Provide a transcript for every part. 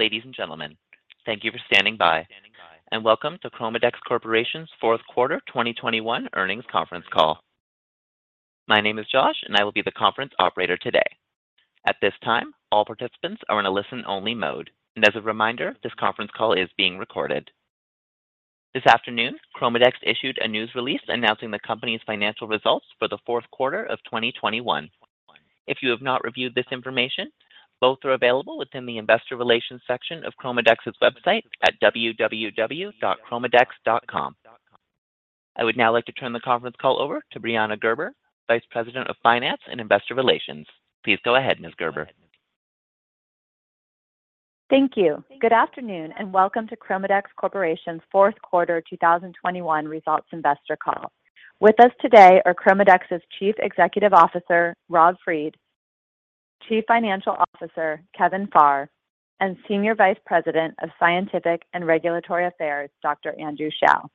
Ladies and gentlemen, thank you for standing by, and welcome to ChromaDex Corporation's fourth quarter 2021 earnings conference call. My name is Josh, and I will be the conference operator today. At this time, all participants are in a listen only mode. As a reminder, this conference call is being recorded. This afternoon, ChromaDex issued a news release announcing the company's financial results for the fourth quarter of 2021. If you have not reviewed this information, both are available within the investor relations section of ChromaDex's website at www.chromadex.com. I would now like to turn the conference call over to Brianna Gerber, Vice President of Finance and Investor Relations. Please go ahead, Ms. Gerber. Thank you. Good afternoon, and welcome to ChromaDex Corporation's fourth quarter 2021 results investor call. With us today are ChromaDex's Chief Executive Officer, Rob Fried; Chief Financial Officer, Kevin Farr; and Senior Vice President of Scientific and Regulatory Affairs, Dr. Andrew Shao.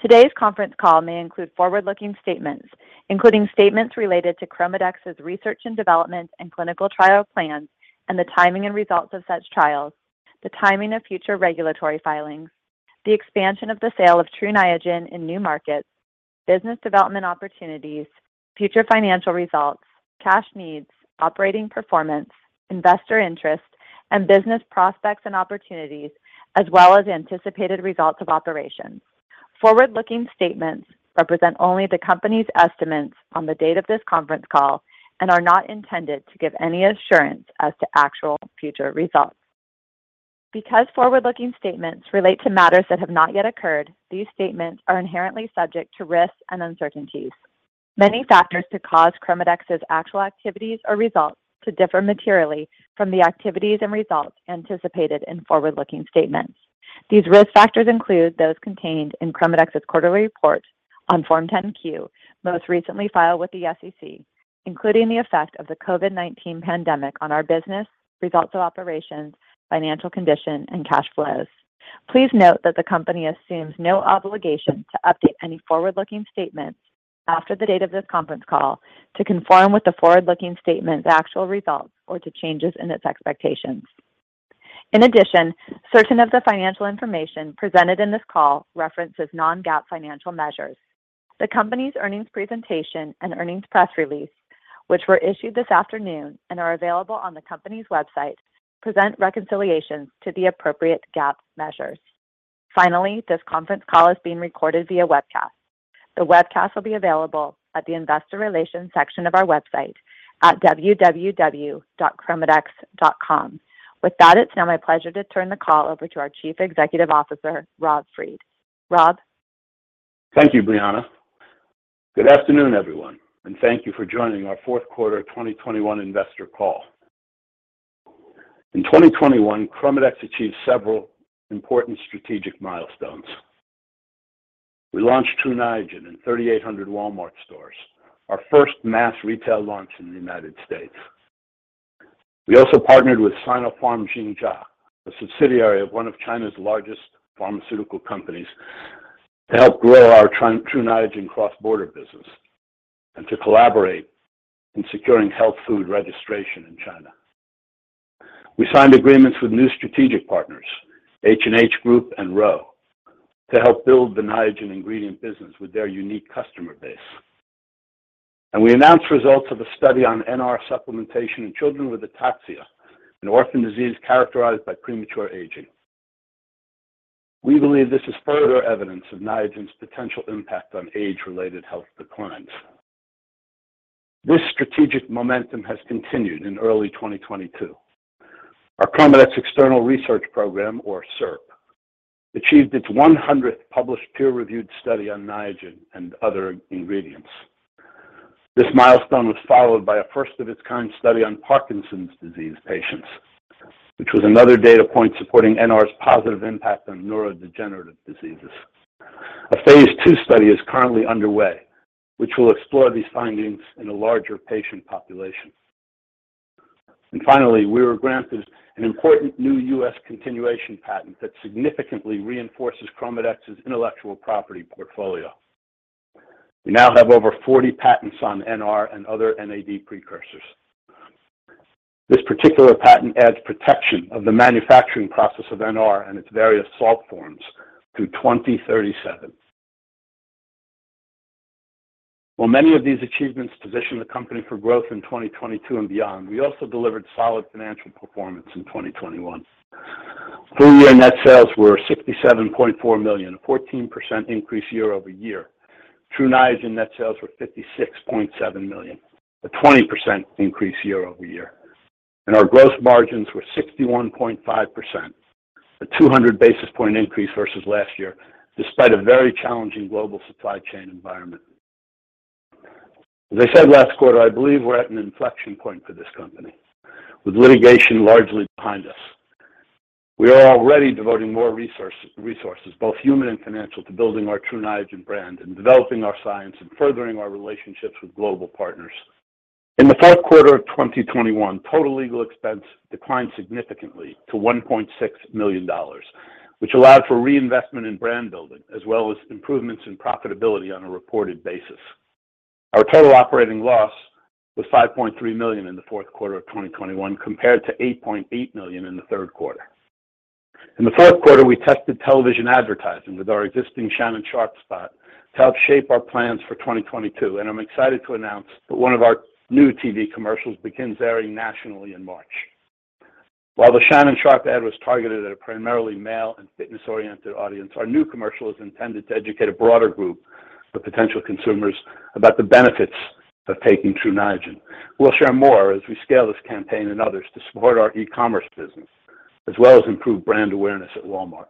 Today's conference call may include forward-looking statements, including statements related to ChromaDex's research and development and clinical trial plans and the timing and results of such trials, the timing of future regulatory filings, the expansion of the sale of Tru Niagen in new markets, business development opportunities, future financial results, cash needs, operating performance, investor interest, and business prospects and opportunities, as well as anticipated results of operations. Forward-looking statements represent only the company's estimates on the date of this conference call and are not intended to give any assurance as to actual future results. Because forward-looking statements relate to matters that have not yet occurred, these statements are inherently subject to risks and uncertainties. Many factors could cause ChromaDex's actual activities or results to differ materially from the activities and results anticipated in forward-looking statements. These risk factors include those contained in ChromaDex's quarterly report on Form 10-Q, most recently filed with the SEC, including the effect of the COVID-19 pandemic on our business, results of operations, financial condition, and cash flows. Please note that the company assumes no obligation to update any forward-looking statements after the date of this conference call to conform with the forward-looking statement's actual results or to changes in its expectations. In addition, certain of the financial information presented in this call references non-GAAP financial measures. The company's earnings presentation and earnings press release, which were issued this afternoon and are available on the company's website, present reconciliations to the appropriate GAAP measures. Finally, this conference call is being recorded via webcast. The webcast will be available at the investor relations section of our website at www.chromadex.com. With that, it's now my pleasure to turn the call over to our Chief Executive Officer, Rob Fried. Rob? Thank you, Brianna. Good afternoon, everyone, and thank you for joining our fourth quarter 2021 investor call. In 2021, ChromaDex achieved several important strategic milestones. We launched Tru Niagen in 3,800 Walmart stores, our first mass retail launch in the United States. We also partnered with Sinopharm Xingsha, a subsidiary of one of China's largest pharmaceutical companies, to help grow our Tru Niagen cross-border business and to collaborate in securing health food registration in China. We signed agreements with new strategic partners, H&H Group and Ro, to help build the Niagen ingredient business with their unique customer base. We announced results of a study on NR supplementation in children with ataxia, an orphan disease characterized by premature aging. We believe this is further evidence of Niagen's potential impact on age-related health declines. This strategic momentum has continued in early 2022. Our ChromaDex External Research Program or CERP achieved its 100th published peer-reviewed study on Niagen and other ingredients. This milestone was followed by a first of its kind study on Parkinson's disease patients, which was another data point supporting NR's positive impact on neurodegenerative diseases. A phase II study is currently underway, which will explore these findings in a larger patient population. Finally, we were granted an important new U.S. continuation patent that significantly reinforces ChromaDex's intellectual property portfolio. We now have over 40 patents on NR and other NAD precursors. This particular patent adds protection of the manufacturing process of NR and its various salt forms through 2037. While many of these achievements position the company for growth in 2022 and beyond, we also delivered solid financial performance in 2021. Full year net sales were $67.4 million, a 14% increase year over year. Tru Niagen net sales were $56.7 million, a 20% increase year-over-year. Our gross margins were 61.5%, a 200 basis point increase versus last year, despite a very challenging global supply chain environment. As I said last quarter, I believe we're at an inflection point for this company. With litigation largely behind us, we are already devoting more resources, both human and financial, to building our Tru Niagen brand and developing our science and furthering our relationships with global partners. In the fourth quarter of 2021, total legal expense declined significantly to $1.6 million, which allowed for reinvestment in brand building as well as improvements in profitability on a reported basis. Our total operating loss was $5.3 million in the fourth quarter of 2021, compared to $8.8 million in the third quarter. In the fourth quarter, we tested television advertising with our existing Shannon Sharpe spot to help shape our plans for 2022, and I'm excited to announce that one of our new TV commercials begins airing nationally in March. While the Shannon Sharpe ad was targeted at a primarily male and fitness-oriented audience, our new commercial is intended to educate a broader group of potential consumers about the benefits of taking Tru Niagen. We'll share more as we scale this campaign and others to support our e-commerce business, as well as improve brand awareness at Walmart.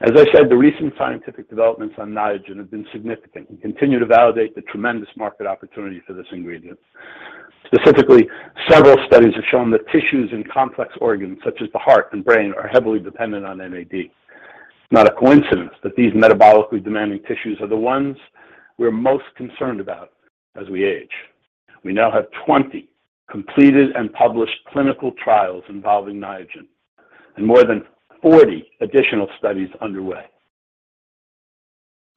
As I said, the recent scientific developments on Niagen have been significant and continue to validate the tremendous market opportunity for this ingredient. Specifically, several studies have shown that tissues in complex organs such as the heart and brain are heavily dependent on NAD. It's not a coincidence that these metabolically demanding tissues are the ones we're most concerned about as we age. We now have 20 completed and published clinical trials involving Niagen and more than 40 additional studies underway.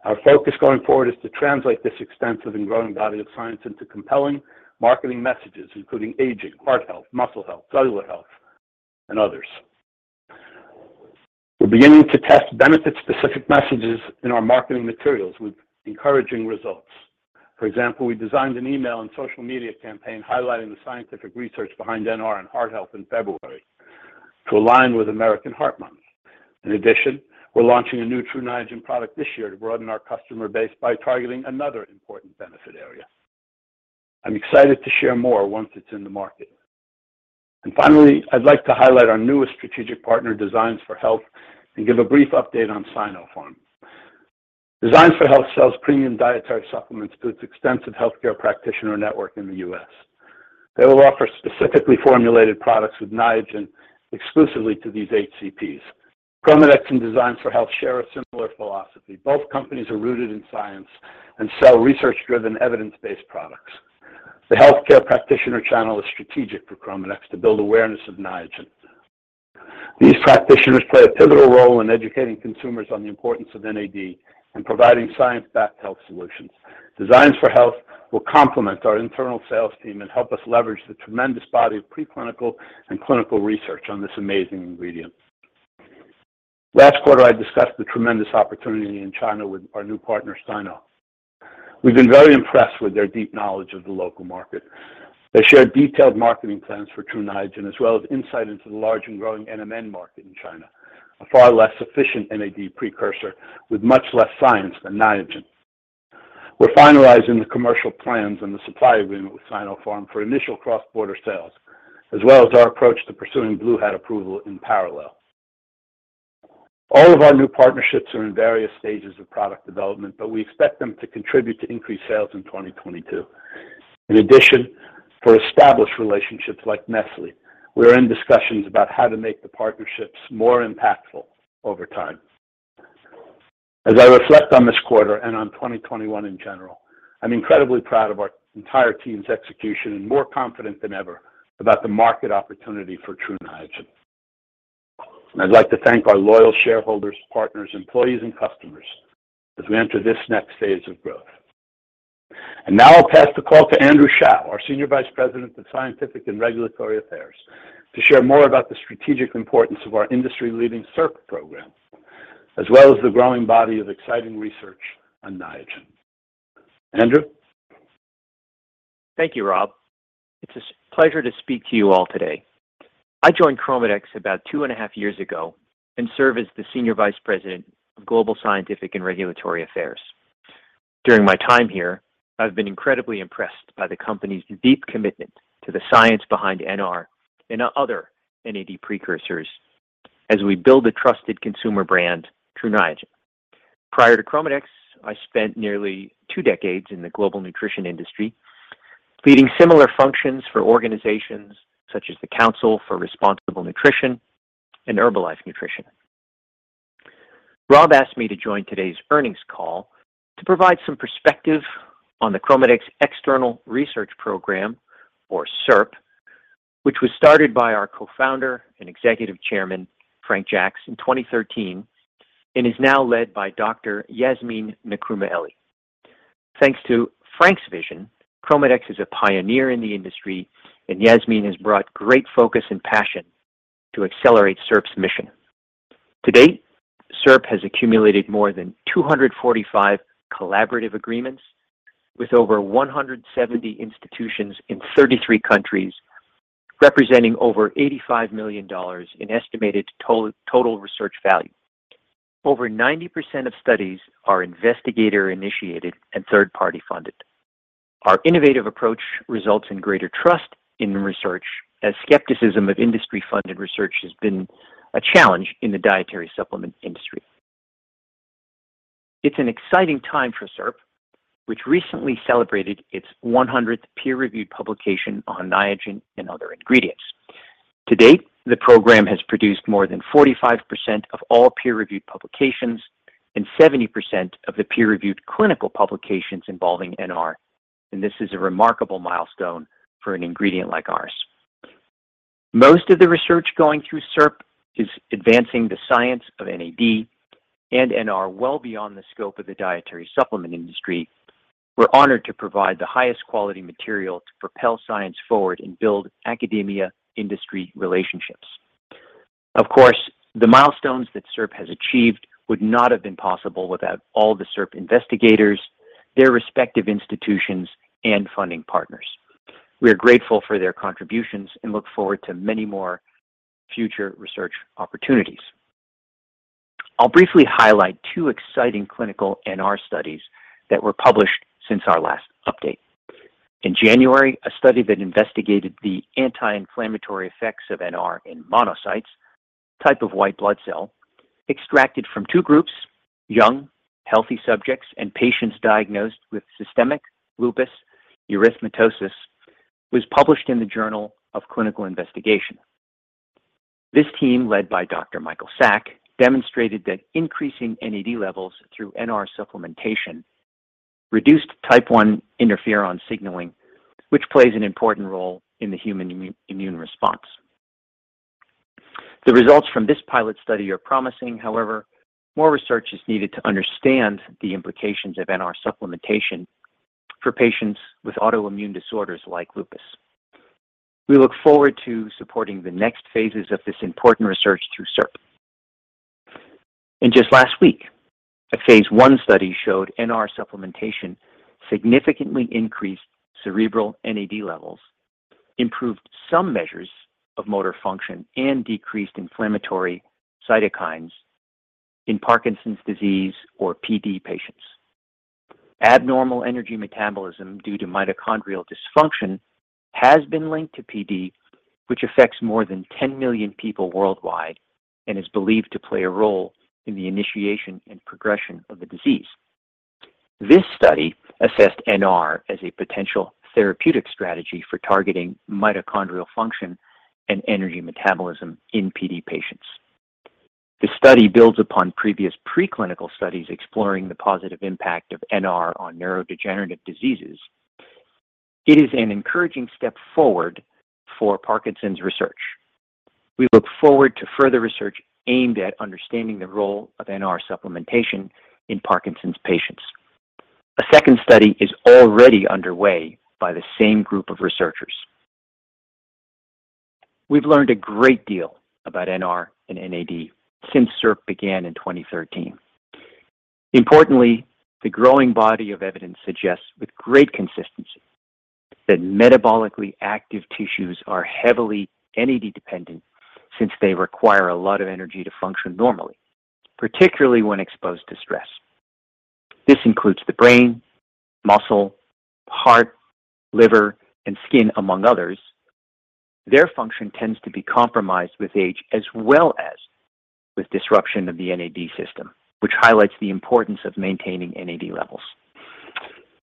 Our focus going forward is to translate this extensive and growing body of science into compelling marketing messages, including aging, heart health, muscle health, cellular health, and others. We're beginning to test benefit-specific messages in our marketing materials with encouraging results. For example, we designed an email and social media campaign highlighting the scientific research behind NR and heart health in February to align with American Heart Month. In addition, we're launching a new Tru Niagen product this year to broaden our customer base by targeting another important benefit area. I'm excited to share more once it's in the market. Finally, I'd like to highlight our newest strategic partner, Designs for Health, and give a brief update on Sinopharm. Designs for Health sells premium dietary supplements to its extensive healthcare practitioner network in the U.S. They will offer specifically formulated products with Niagen exclusively to these HCPs. ChromaDex and Designs for Health share a similar philosophy. Both companies are rooted in science and sell research-driven, evidence-based products. The healthcare practitioner channel is strategic for ChromaDex to build awareness of Niagen. These practitioners play a pivotal role in educating consumers on the importance of NAD and providing science-backed health solutions. Designs for Health will complement our internal sales team and help us leverage the tremendous body of pre-clinical and clinical research on this amazing ingredient. Last quarter, I discussed the tremendous opportunity in China with our new partner, Sinopharm. We've been very impressed with their deep knowledge of the local market. They share detailed marketing plans for Tru Niagen, as well as insight into the large and growing NMN market in China, a far less efficient NAD precursor with much less science than Niagen. We're finalizing the commercial plans and the supply agreement with Sinopharm for initial cross-border sales, as well as our approach to pursuing blue hat approval in parallel. All of our new partnerships are in various stages of product development, but we expect them to contribute to increased sales in 2022. In addition, for established relationships like Nestlé, we are in discussions about how to make the partnerships more impactful over time. As I reflect on this quarter and on 2021 in general, I'm incredibly proud of our entire team's execution and more confident than ever about the market opportunity for Tru Niagen. I'd like to thank our loyal shareholders, partners, employees, and customers as we enter this next phase of growth. Now I'll pass the call to Andrew Shao, our Senior Vice President of Scientific and Regulatory Affairs, to share more about the strategic importance of our industry-leading CERP program, as well as the growing body of exciting research on Niagen. Andrew? Thank you, Rob. It's a pleasure to speak to you all today. I joined ChromaDex about two and a half years ago and serve as the Senior Vice President of Global Scientific and Regulatory Affairs. During my time here, I've been incredibly impressed by the company's deep commitment to the science behind NR and other NAD precursors as we build a trusted consumer brand, Tru Niagen. Prior to ChromaDex, I spent nearly two decades in the global nutrition industry, leading similar functions for organizations such as the Council for Responsible Nutrition and Herbalife Nutrition. Rob asked me to join today's earnings call to provide some perspective on the ChromaDex External Research Program or CERP, which was started by our co-founder and Executive Chairman, Frank Jaksch, in 2013 and is now led by Dr. Yasmeen Nkrumah-Elie. Thanks to Frank's vision, ChromaDex is a pioneer in the industry, and Yasmeen has brought great focus and passion to accelerate CERP's mission. To date, CERP has accumulated more than 245 collaborative agreements with over 170 institutions in 33 countries, representing over $85 million in estimated total research value. Over 90% of studies are investigator-initiated and third-party funded. Our innovative approach results in greater trust in research, as skepticism of industry-funded research has been a challenge in the dietary supplement industry. It's an exciting time for CERP, which recently celebrated its 100th peer-reviewed publication on Niagen and other ingredients. To date, the program has produced more than 45% of all peer-reviewed publications and 70% of the peer-reviewed clinical publications involving NR, and this is a remarkable milestone for an ingredient like ours. Most of the research going through CERP is advancing the science of NAD and NR well beyond the scope of the dietary supplement industry. We're honored to provide the highest quality material to propel science forward and build academia-industry relationships. Of course, the milestones that CERP has achieved would not have been possible without all the CERP investigators, their respective institutions, and funding partners. We are grateful for their contributions and look forward to many more future research opportunities. I'll briefly highlight two exciting clinical NR studies that were published since our last update. In January, a study that investigated the anti-inflammatory effects of NR in monocytes, a type of white blood cell, extracted from two groups, young, healthy subjects and patients diagnosed with systemic lupus erythematosus, was published in the Journal of Clinical Investigation. This team, led by Dr. Michael Sack, demonstrated that increasing NAD levels through NR supplementation reduced type I interferon signaling, which plays an important role in the human immune response. The results from this pilot study are promising. However, more research is needed to understand the implications of NR supplementation for patients with autoimmune disorders like lupus. We look forward to supporting the next phases of this important research through CERP. Just last week, a phase I study showed NR supplementation significantly increased cerebral NAD levels, improved some measures of motor function, and decreased inflammatory cytokines in Parkinson's disease or PD patients. Abnormal energy metabolism due to mitochondrial dysfunction has been linked to PD, which affects more than 10 million people worldwide and is believed to play a role in the initiation and progression of the disease. This study assessed NR as a potential therapeutic strategy for targeting mitochondrial function and energy metabolism in PD patients. The study builds upon previous preclinical studies exploring the positive impact of NR on neurodegenerative diseases. It is an encouraging step forward for Parkinson's research. We look forward to further research aimed at understanding the role of NR supplementation in Parkinson's patients. A second study is already underway by the same group of researchers. We've learned a great deal about NR and NAD since CERP began in 2013. Importantly, the growing body of evidence suggests with great consistency that metabolically active tissues are heavily NAD dependent since they require a lot of energy to function normally, particularly when exposed to stress. This includes the brain, muscle, heart, liver, and skin, among others. Their function tends to be compromised with age as well as with disruption of the NAD system, which highlights the importance of maintaining NAD levels.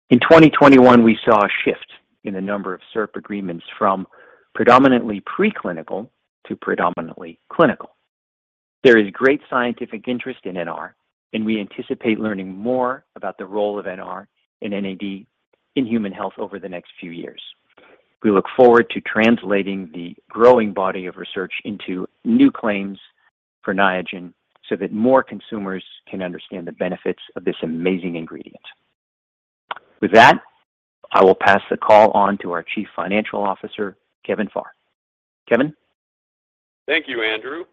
In 2021, we saw a shift in the number of CERP agreements from predominantly preclinical to predominantly clinical. There is great scientific interest in NR, and we anticipate learning more about the role of NR and NAD in human health over the next few years. We look forward to translating the growing body of research into new claims for Niagen so that more consumers can understand the benefits of this amazing ingredient. With that, I will pass the call on to our Chief Financial Officer, Kevin Farr. Kevin. Thank you, Andrew.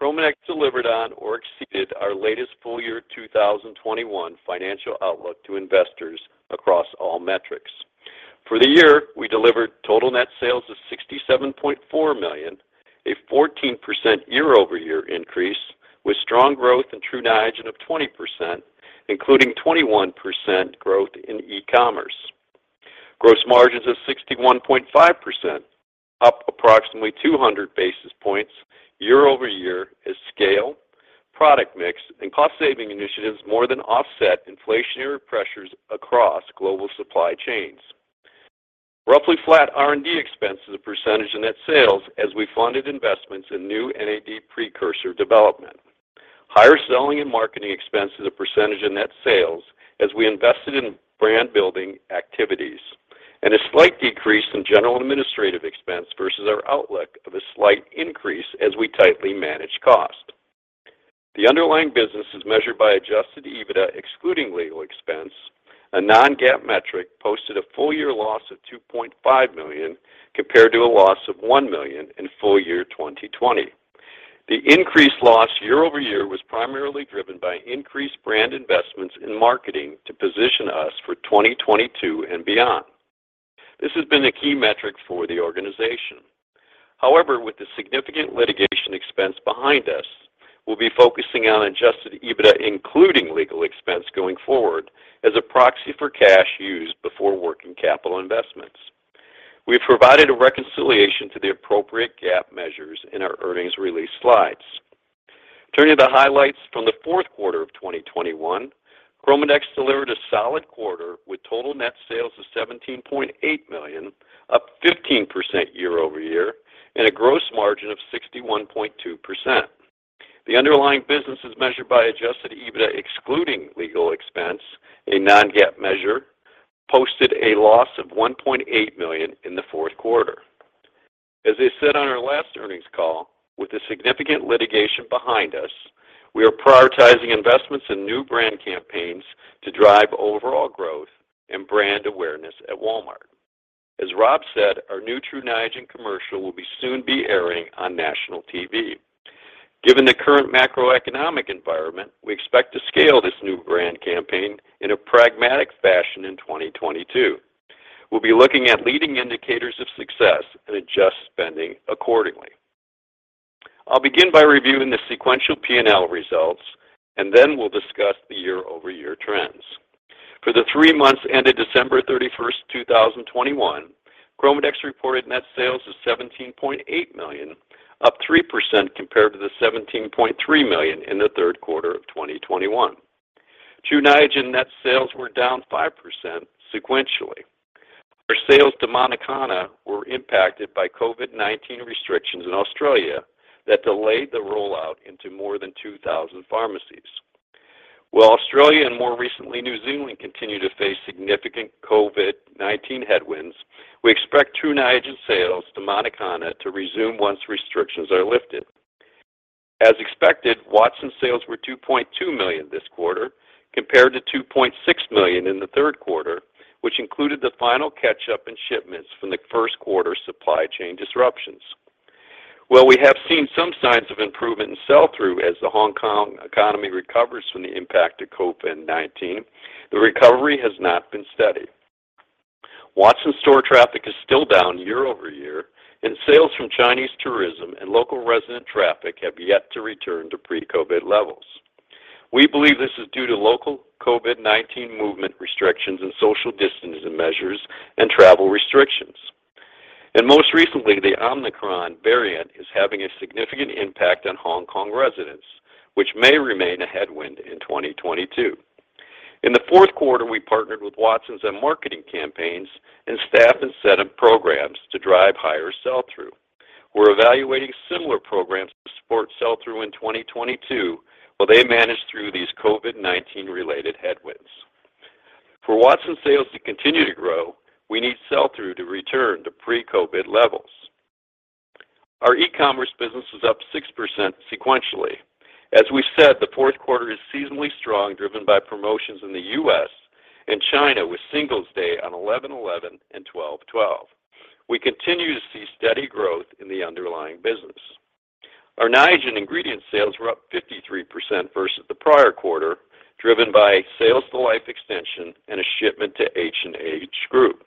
ChromaDex delivered on or exceeded our latest full year 2021 financial outlook to investors across all metrics. For the year, we delivered total net sales of $67.4 million, a 14% year-over-year increase, with strong growth in Tru Niagen of 20%, including 21% growth in e-commerce. Gross margins of 61.5%, up approximately 200 basis points year-over-year as scale, product mix, and cost saving initiatives more than offset inflationary pressures across global supply chains. Roughly flat R&D expense as a percentage of net sales as we funded investments in new NAD precursor development. Higher selling and marketing expense as a percentage of net sales as we invested in brand building activities. A slight decrease in general and administrative expense versus our outlook of a slight increase as we tightly manage cost. The underlying business is measured by adjusted EBITDA excluding legal expense. A non-GAAP metric posted a full year loss of $2.5 million compared to a loss of $1 million in full year 2020. The increased loss year-over-year was primarily driven by increased brand investments in marketing to position us for 2022 and beyond. This has been a key metric for the organization. However, with the significant litigation expense behind us, we'll be focusing on adjusted EBITDA, including legal expense going forward as a proxy for cash used before working capital investments. We've provided a reconciliation to the appropriate GAAP measures in our earnings release slides. Turning to the highlights from the fourth quarter of 2021, ChromaDex delivered a solid quarter with total net sales of $17.8 million, up 15% year-over-year, and a gross margin of 61.2%. The underlying business is measured by adjusted EBITDA excluding legal expense, a non-GAAP measure, posted a loss of $1.8 million in the fourth quarter. As I said on our last earnings call, with the significant litigation behind us, we are prioritizing investments in new brand campaigns to drive overall growth and brand awareness at Walmart. As Rob said, our new Tru Niagen commercial will soon be airing on national TV. Given the current macroeconomic environment, we expect to scale this new brand campaign in a pragmatic fashion in 2022. We'll be looking at leading indicators of success and adjust spending accordingly. I'll begin by reviewing the sequential P&L results, and then we'll discuss the year-over-year trends. For the three months ended December 31, 2021, ChromaDex reported net sales of $17.8 million, up 3% compared to the $17.3 million in the third quarter of 2021. Tru Niagen net sales were down 5% sequentially. Our sales to Matakana were impacted by COVID-19 restrictions in Australia that delayed the rollout into more than 2,000 pharmacies. While Australia and more recently, New Zealand continue to face significant COVID-19 headwinds, we expect Tru Niagen sales to Matakana to resume once restrictions are lifted. As expected, Watsons sales were $2.2 million this quarter compared to $2.6 million in the third quarter, which included the final catch-up in shipments from the first quarter supply chain disruptions. While we have seen some signs of improvement in sell-through as the Hong Kong economy recovers from the impact of COVID-19, the recovery has not been steady. Watsons store traffic is still down year-over-year, and sales from Chinese tourism and local resident traffic have yet to return to pre-COVID levels. We believe this is due to local COVID-19 movement restrictions and social distancing measures and travel restrictions. Most recently, the Omicron variant is having a significant impact on Hong Kong residents, which may remain a headwind in 2022. In the fourth quarter, we partnered with Watsons on marketing campaigns and staff incentive programs to drive higher sell-through. We're evaluating similar programs to support sell-through in 2022 while they manage through these COVID-19 related headwinds. For Watsons sales to continue to grow, we need sell-through to return to pre-COVID levels. Our e-commerce business was up 6% sequentially. As we said, the fourth quarter is seasonally strong, driven by promotions in the U.S. and China, with Singles' Day on 11/11 and 12/12. We continue to see steady growth in the underlying business. Our Niagen ingredient sales were up 53% versus the prior quarter, driven by sales to Life Extension and a shipment to H&H Group.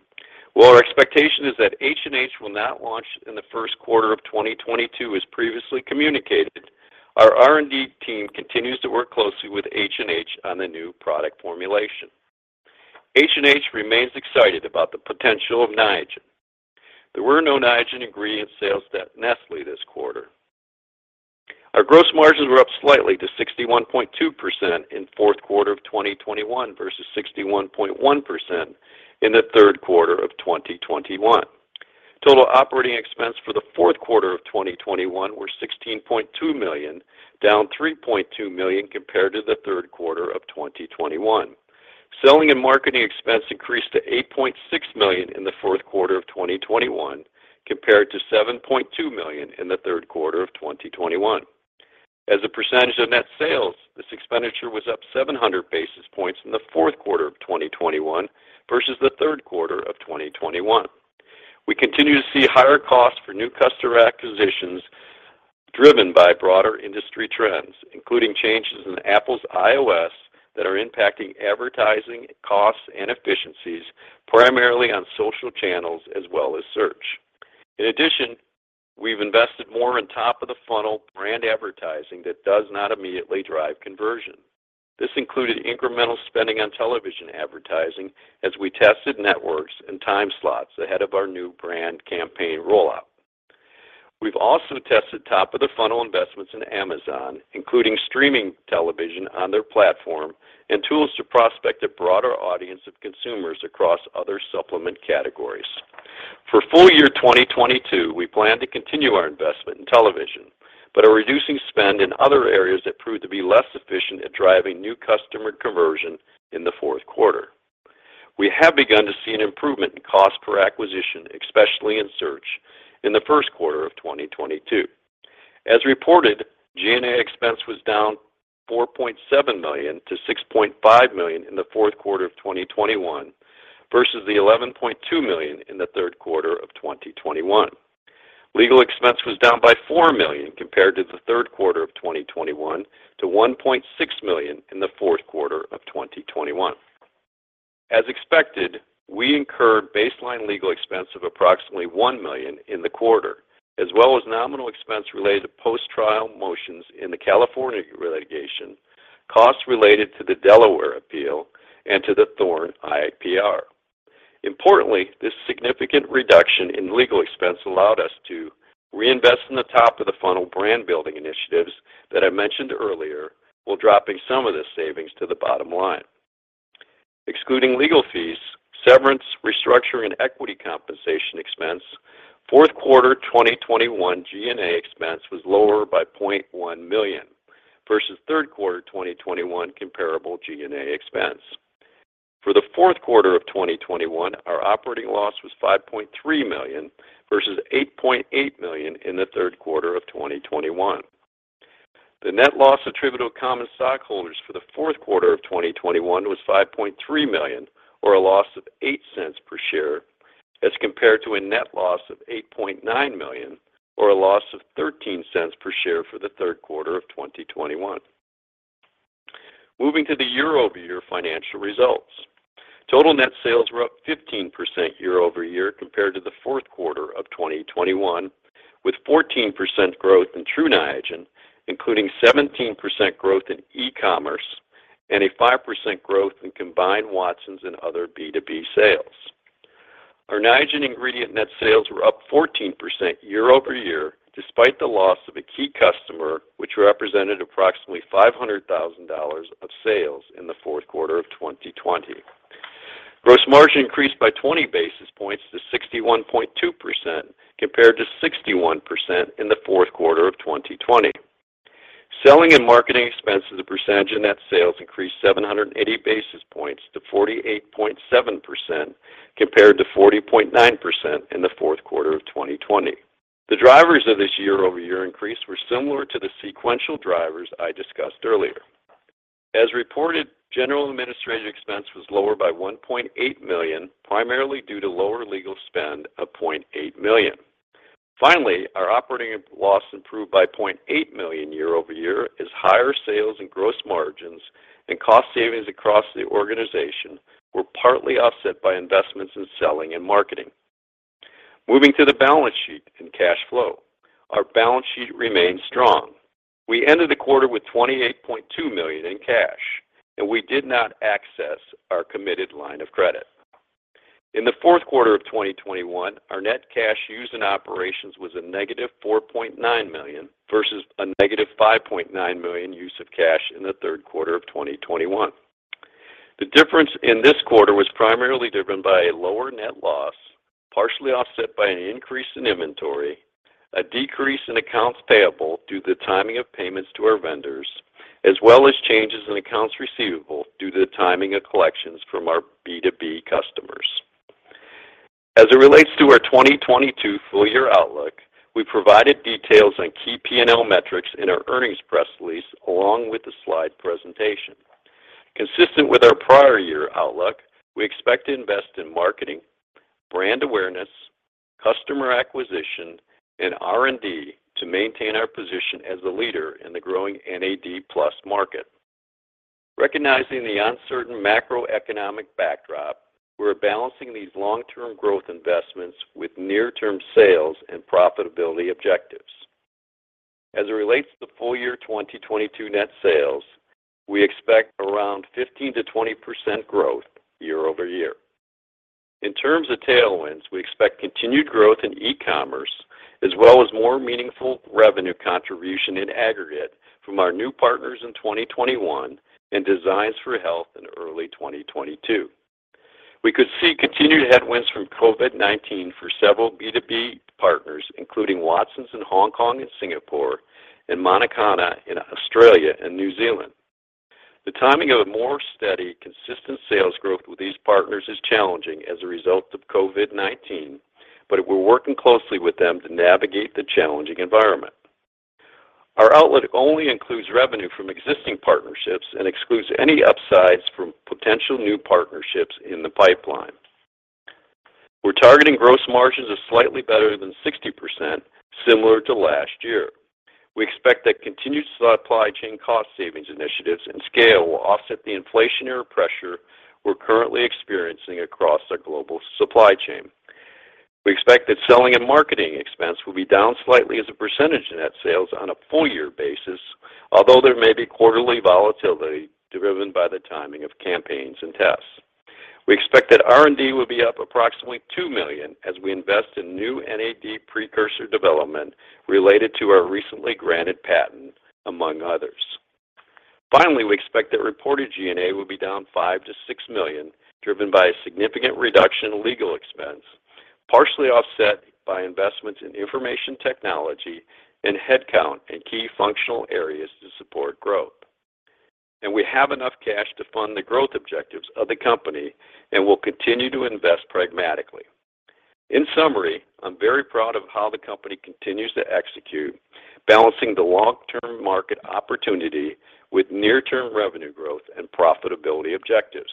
While our expectation is that H&H will not launch in the first quarter of 2022 as previously communicated, our R&D team continues to work closely with H&H on the new product formulation. H&H remains excited about the potential of Niagen. There were no Niagen ingredient sales at Nestlé this quarter. Our gross margins were up slightly to 61.2% in fourth quarter of 2021 versus 61.1% in the third quarter of 2021. Total operating expense for the fourth quarter of 2021 were $16.2 million, down $3.2 million compared to the third quarter of 2021. Selling and marketing expense increased to $8.6 million in the fourth quarter of 2021 compared to $7.2 million in the third quarter of 2021. As a percentage of net sales, this expenditure was up 700 basis points in the fourth quarter of 2021 versus the third quarter of 2021. We continue to see higher costs for new customer acquisitions driven by broader industry trends, including changes in Apple's iOS that are impacting advertising costs and efficiencies, primarily on social channels as well as search. In addition, we've invested more in top of the funnel brand advertising that does not immediately drive conversion. This included incremental spending on television advertising as we tested networks and time slots ahead of our new brand campaign rollout. We've also tested top of the funnel investments in Amazon, including streaming television on their platform and tools to prospect a broader audience of consumers across other supplement categories. For full year 2022, we plan to continue our investment in television, but are reducing spend in other areas that proved to be less efficient at driving new customer conversion in the fourth quarter. We have begun to see an improvement in cost per acquisition, especially in search in the first quarter of 2022. As reported, G&A expense was down $4.7 million to $6.5 million in the fourth quarter of 2021 versus the $11.2 million in the third quarter of 2021. Legal expense was down by $4 million compared to the third quarter of 2021 to $1.6 million in the fourth quarter of 2021. As expected, we incurred baseline legal expense of approximately $1 million in the quarter, as well as nominal expense related to post-trial motions in the California litigation, costs related to the Delaware appeal, and to the Thorne IPR. Importantly, this significant reduction in legal expense allowed us to reinvest in the top of the funnel brand building initiatives that I mentioned earlier, while dropping some of the savings to the bottom line. Excluding legal fees, severance, restructure, and equity compensation expense, fourth quarter 2021 G&A expense was lower by $0.1 million versus third quarter 2021 comparable G&A expense. For the fourth quarter of 2021, our operating loss was $5.3 million versus $8.8 million in the third quarter of 2021. The net loss attributable to common stockholders for the fourth quarter of 2021 was $5.3 million or a loss of $0.08 per share as compared to a net loss of $8.9 million or a loss of $0.13 per share for the third quarter of 2021. Moving to the year-over-year financial results. Total net sales were up 15% year-over-year compared to the fourth quarter of 2020, with 14% growth in Tru Niagen, including 17% growth in e-commerce and a 5% growth in combined Watsons and other B2B sales. Our Niagen ingredient net sales were up 14% year-over-year, despite the loss of a key customer, which represented approximately $500,000 of sales in the fourth quarter of 2020. Gross margin increased by 20 basis points to 61.2% compared to 61% in the fourth quarter of 2020. Selling and marketing expenses as a percentage of net sales increased 780 basis points to 48.7% compared to 40.9% in the fourth quarter of 2020. The drivers of this year-over-year increase were similar to the sequential drivers I discussed earlier. As reported, general administrative expense was lower by $1.8 million, primarily due to lower legal spend of $0.8 million. Finally, our operating loss improved by $0.8 million year-over-year as higher sales and gross margins and cost savings across the organization were partly offset by investments in selling and marketing. Moving to the balance sheet and cash flow, our balance sheet remains strong. We ended the quarter with $28.2 million in cash, and we did not access our committed line of credit. In the fourth quarter of 2021, our net cash used in operations was -$4.9 million versus a -$5.9 million use of cash in the third quarter of 2021. The difference in this quarter was primarily driven by a lower net loss, partially offset by an increase in inventory, a decrease in accounts payable due to the timing of payments to our vendors, as well as changes in accounts receivable due to the timing of collections from our B2B customers. As it relates to our 2022 full-year outlook, we provided details on key P&L metrics in our earnings press release along with the slide presentation. Consistent with our prior year outlook, we expect to invest in marketing, brand awareness, customer acquisition, and R&D to maintain our position as the leader in the growing NAD+ market. Recognizing the uncertain macroeconomic backdrop, we're balancing these long-term growth investments with near-term sales and profitability objectives. As it relates to full year 2022 net sales, we expect around 15%-20% growth year over year. In terms of tailwinds, we expect continued growth in e-commerce as well as more meaningful revenue contribution in aggregate from our new partners in 2021 and Designs for Health in early 2022. We could see continued headwinds from COVID-19 for several B2B partners, including Watsons in Hong Kong and Singapore and Matakana in Australia and New Zealand. The timing of a more steady, consistent sales growth with these partners is challenging as a result of COVID-19, but we're working closely with them to navigate the challenging environment. Our outlook only includes revenue from existing partnerships and excludes any upsides from potential new partnerships in the pipeline. We're targeting gross margins of slightly better than 60%, similar to last year. We expect that continued supply chain cost savings initiatives and scale will offset the inflationary pressure we're currently experiencing across our global supply chain. We expect that selling and marketing expense will be down slightly as a percentage of net sales on a full year basis, although there may be quarterly volatility driven by the timing of campaigns and tests. We expect that R&D will be up approximately $2 million as we invest in new NAD precursor development related to our recently granted patent, among others. Finally, we expect that reported G&A will be down $5 million-$6 million, driven by a significant reduction in legal expense, partially offset by investments in information technology and headcount in key functional areas to support growth. We have enough cash to fund the growth objectives of the company and will continue to invest pragmatically. In summary, I'm very proud of how the company continues to execute, balancing the long-term market opportunity with near-term revenue growth and profitability objectives.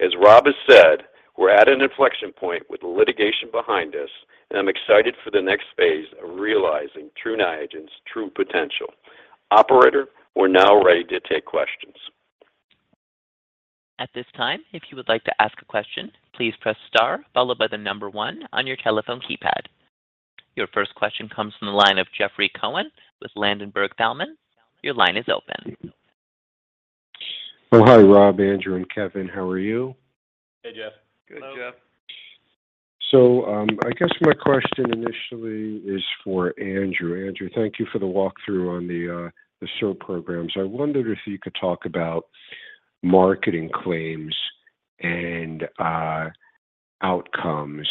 As Rob has said, we're at an inflection point with the litigation behind us, and I'm excited for the next phase of realizing Tru Niagen's true potential. Operator, we're now ready to take questions. Your first question comes from the line of Jeffrey Cohen with Ladenburg Thalmann. Your line is open. Oh, hi, Rob, Andrew, and Kevin. How are you? Hey, Jeff. Good, Jeff. I guess my question initially is for Andrew. Andrew, thank you for the walkthrough on the CERP programs. I wondered if you could talk about marketing claims and outcomes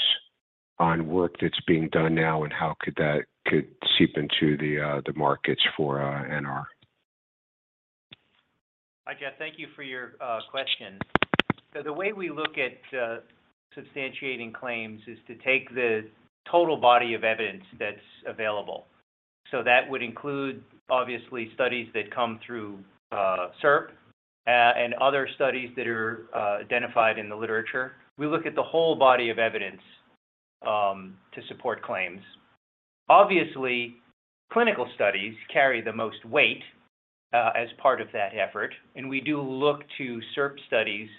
on work that's being done now, and how could that seep into the markets for NR. Hi, Jeff. Thank you for your question. The way we look at substantiating claims is to take the total body of evidence that's available. That would include, obviously, studies that come through CERP and other studies that are identified in the literature. We look at the whole body of evidence to support claims. Obviously, clinical studies carry the most weight as part of that effort, and we do look to CERP studies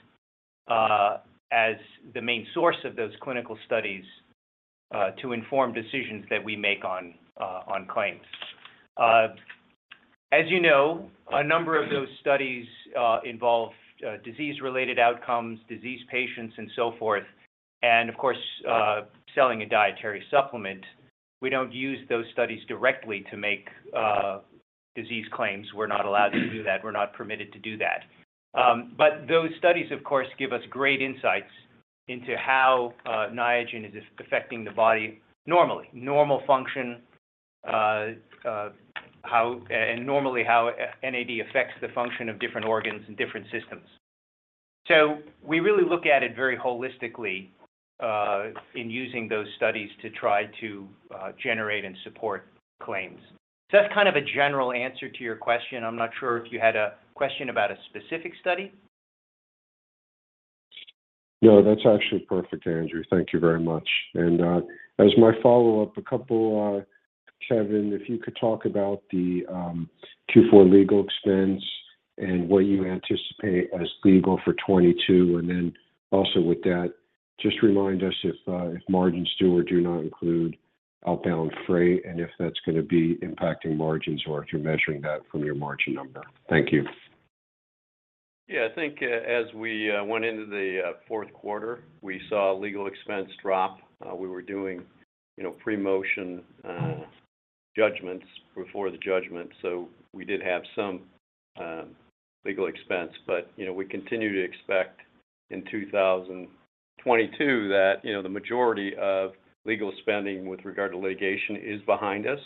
as the main source of those clinical studies to inform decisions that we make on claims. As you know, a number of those studies involve disease-related outcomes, disease patients, and so forth. Of course, selling a dietary supplement, we don't use those studies directly to make disease claims. We're not allowed to do that. We're not permitted to do that. Those studies, of course, give us great insights into how Niagen is affecting the body normally, normal function, and normally how NAD affects the function of different organs and different systems. We really look at it very holistically in using those studies to try to generate and support claims. That's kind of a general answer to your question. I'm not sure if you had a question about a specific study. No, that's actually perfect, Andrew. Thank you very much. As my follow-up, a couple, Kevin, if you could talk about the Q4 legal expense and what you anticipate as legal for 2022. Then also with that, just remind us if margins do or do not include outbound freight and if that's gonna be impacting margins or if you're measuring that from your margin number. Thank you. I think, as we went into the fourth quarter, we saw legal expense drop. We were doing, you know, pre-motion judgments before the judgment, so we did have some legal expense. We continue to expect in 2022 that, you know, the majority of legal spending with regard to litigation is behind us.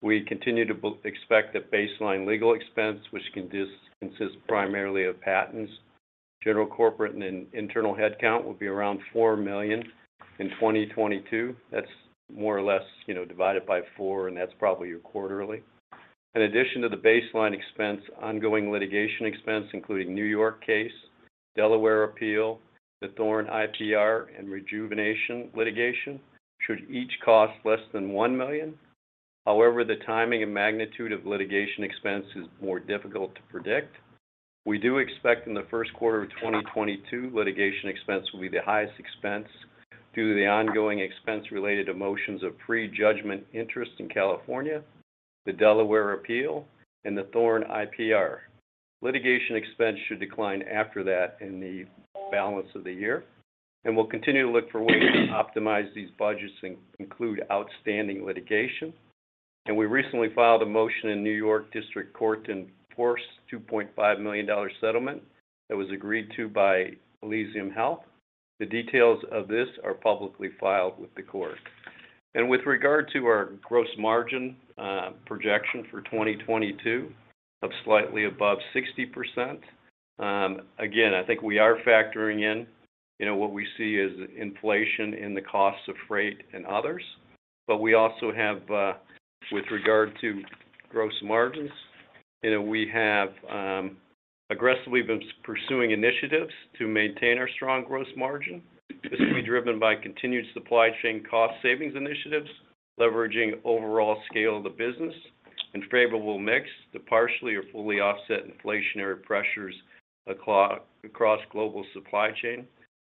We continue to expect that baseline legal expense, which consists primarily of patents, general corporate, and internal headcount will be around $4 million in 2022. That's more or less, you know, divide it by 4, and that's probably your quarterly. In addition to the baseline expense, ongoing litigation expense, including New York case, Delaware appeal, the Thorne IPR, and Rejuvenation litigation, should each cost less than $1 million. However, the timing and magnitude of litigation expense is more difficult to predict. We do expect in the first quarter of 2022, litigation expense will be the highest expense due to the ongoing expense related to motions of prejudgment interest in California, the Delaware appeal, and the Thorne IPR. Litigation expense should decline after that in the balance of the year, and we'll continue to look for ways to optimize these budgets and include outstanding litigation. We recently filed a motion in New York District Court to enforce $2.5 million settlement that was agreed to by Elysium Health. The details of this are publicly filed with the court. With regard to our gross margin projection for 2022 of slightly above 60%, again, I think we are factoring in, you know, what we see as inflation in the costs of freight and others. We also have, with regard to gross margins, you know, we have aggressively been pursuing initiatives to maintain our strong gross margin. This will be driven by continued supply chain cost savings initiatives, leveraging overall scale of the business, and favorable mix to partially or fully offset inflationary pressures across global supply chain.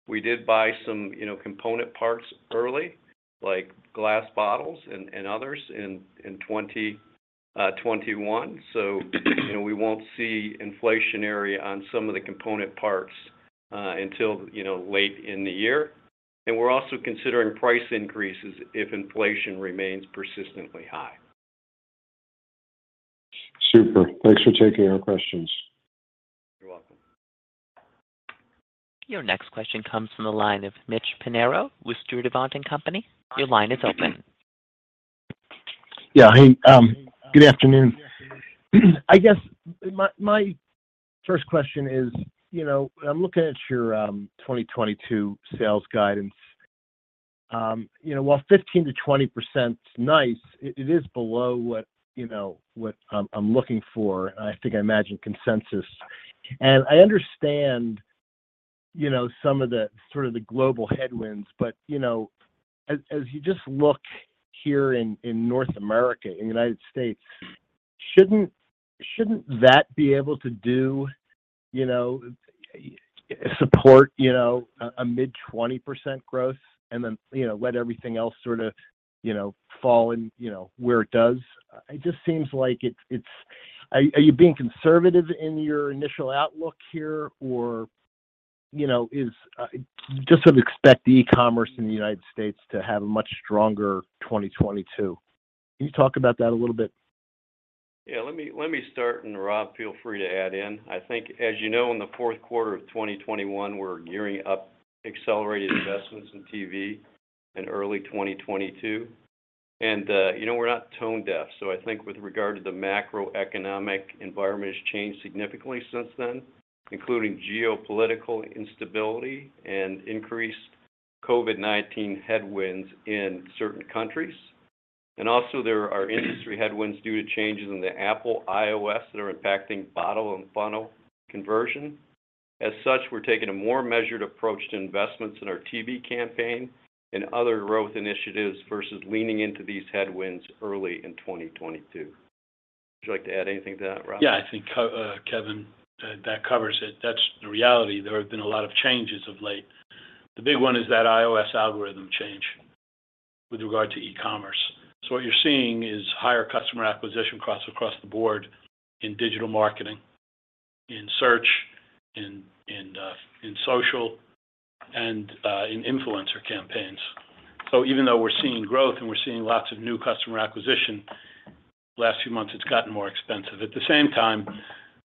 We did buy some, you know, component parts early, like glass bottles and others in 2021. You know, we won't see inflationary on some of the component parts until, you know, late in the year. We're also considering price increases if inflation remains persistently high. Super. Thanks for taking our questions. You're welcome. Your next question comes from the line of Mitch Pinheiro with Sturdivant & Co. Your line is open. Hey, good afternoon. I guess my first question is, you know, I'm looking at your 2022 sales guidance. You know, while 15%-20% is nice, it is below what, you know, what I'm looking for, and I think I imagine consensus. I understand, you know, some of the sort of the global headwinds. You know, as you just look here in North America, in the United States, shouldn't that be able to do, you know, support, you know, a mid-20% growth and then, you know, let everything else sort of, you know, fall in, you know, where it does? It just seems like it's, are you being conservative in your initial outlook here? You know, you just sort of expect the e-commerce in the United States to have a much stronger 2022? Can you talk about that a little bit? Let me start, Rob. Feel free to add in. I think as you know, in the fourth quarter of 2021, we're gearing up accelerated investments in TV in early 2022. You know, we're not tone deaf, so I think with regard to the macroeconomic environment has changed significantly since then, including geopolitical instability and increased COVID-19 headwinds in certain countries. Also there are industry headwinds due to changes in the Apple iOS that are impacting top-of-funnel conversion. As such, we're taking a more measured approach to investments in our TV campaign and other growth initiatives versus leaning into these headwinds early in 2022. Would you like to add anything to that, Rob? Yeah, I think Kevin, that covers it. That's the reality. There have been a lot of changes of late. The big one is that iOS algorithm change with regard to e-commerce. What you're seeing is higher customer acquisition costs across the board in digital marketing, in search, in social, and in influencer campaigns. Even though we're seeing growth and we're seeing lots of new customer acquisition, last few months it's gotten more expensive. At the same time,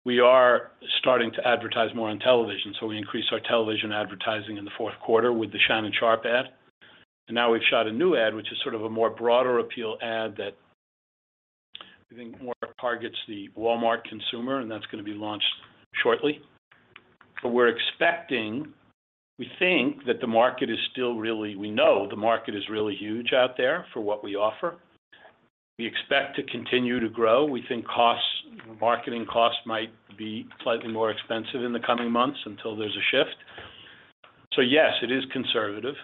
we are starting to advertise more on television. We increased our television advertising in the fourth quarter with the Shannon Sharpe ad. Now we've shot a new ad, which is sort of a more broader appeal ad that we think more targets the Walmart consumer, and that's gonna be launched shortly. We know the market is really huge out there for what we offer. We expect to continue to grow. We think costs, marketing costs might be slightly more expensive in the coming months until there's a shift. Yes, it is conservative,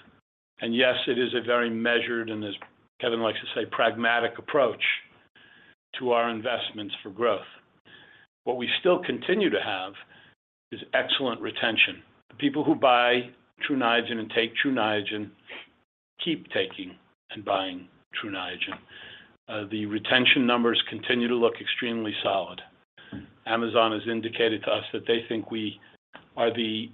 and yes, it is a very measured, and as Kevin likes to say, pragmatic approach to our investments for growth. What we still continue to have is excellent retention. The people who buy Tru Niagen and take Tru Niagen keep taking and buying Tru Niagen. The retention numbers continue to look extremely solid. Amazon has indicated to us that they think we have the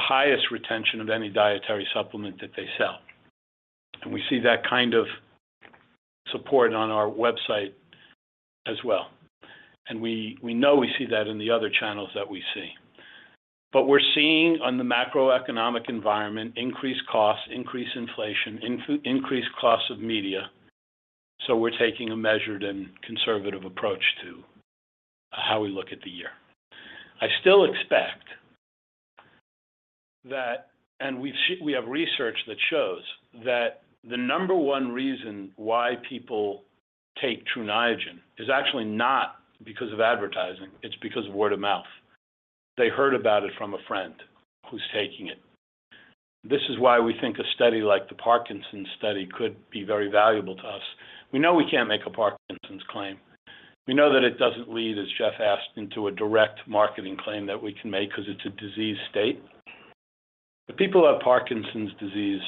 highest retention of any dietary supplement that they sell. We see that kind of support on our website as well. We know we see that in the other channels that we see. We're seeing in the macroeconomic environment increased costs, increased inflation, increased costs of media, so we're taking a measured and conservative approach to how we look at the year. I still expect that, and we have research that shows that the number one reason why people take Tru Niagen is actually not because of advertising, it's because of word of mouth. They heard about it from a friend who's taking it. This is why we think a study like the Parkinson's study could be very valuable to us. We know we can't make a Parkinson's claim. We know that it doesn't lead, as Jeff asked, into a direct marketing claim that we can make because it's a disease state. The people who have Parkinson's disease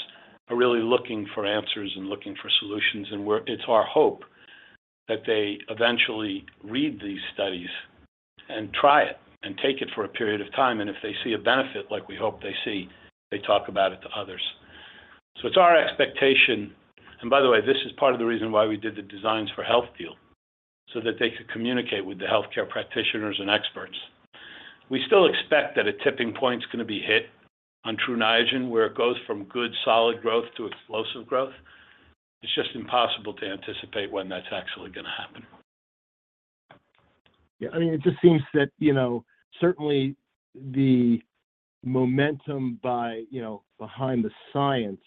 are really looking for answers and looking for solutions, and it's our hope that they eventually read these studies and try it and take it for a period of time. If they see a benefit like we hope they see, they talk about it to others. It's our expectation. By the way, this is part of the reason why we did the Designs for Health deal, so that they could communicate with the healthcare practitioners and experts. We still expect that a tipping point's gonna be hit on Tru Niagen, where it goes from good solid growth to explosive growth. It's just impossible to anticipate when that's actually gonna happen. Yeah. I mean, it just seems that, you know, certainly the momentum by, you know, behind the science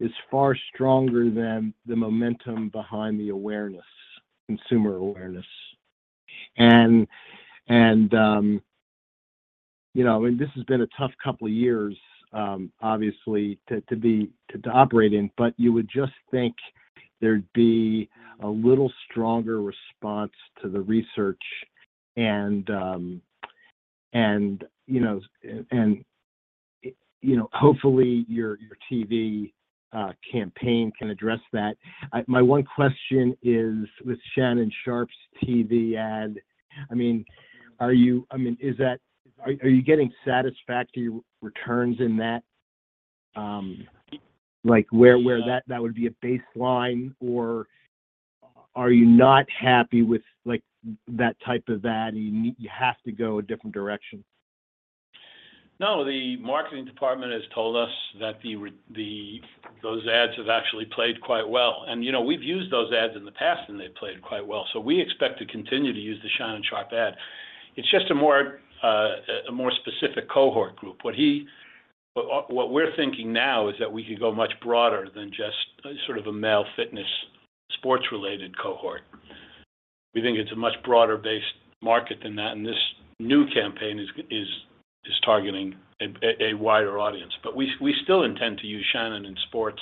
is far stronger than the momentum behind the awareness, consumer awareness. This has been a tough couple years, obviously to operate in, but you would just think there'd be a little stronger response to the research and, you know, hopefully your TV campaign can address that. My one question is with Shannon Sharpe's TV ad. I mean, are you getting satisfactory returns in that? Like where that would be a baseline or are you not happy with like that type of ad, and you have to go a different direction? No, the marketing department has told us that those ads have actually played quite well. You know, we've used those ads in the past, and they played quite well. We expect to continue to use the Shannon Sharpe ad. It's just a more specific cohort group. What we're thinking now is that we could go much broader than just sort of a male fitness sports-related cohort. We think it's a much broader-based market than that, and this new campaign is targeting a wider audience. We still intend to use Shannon in sports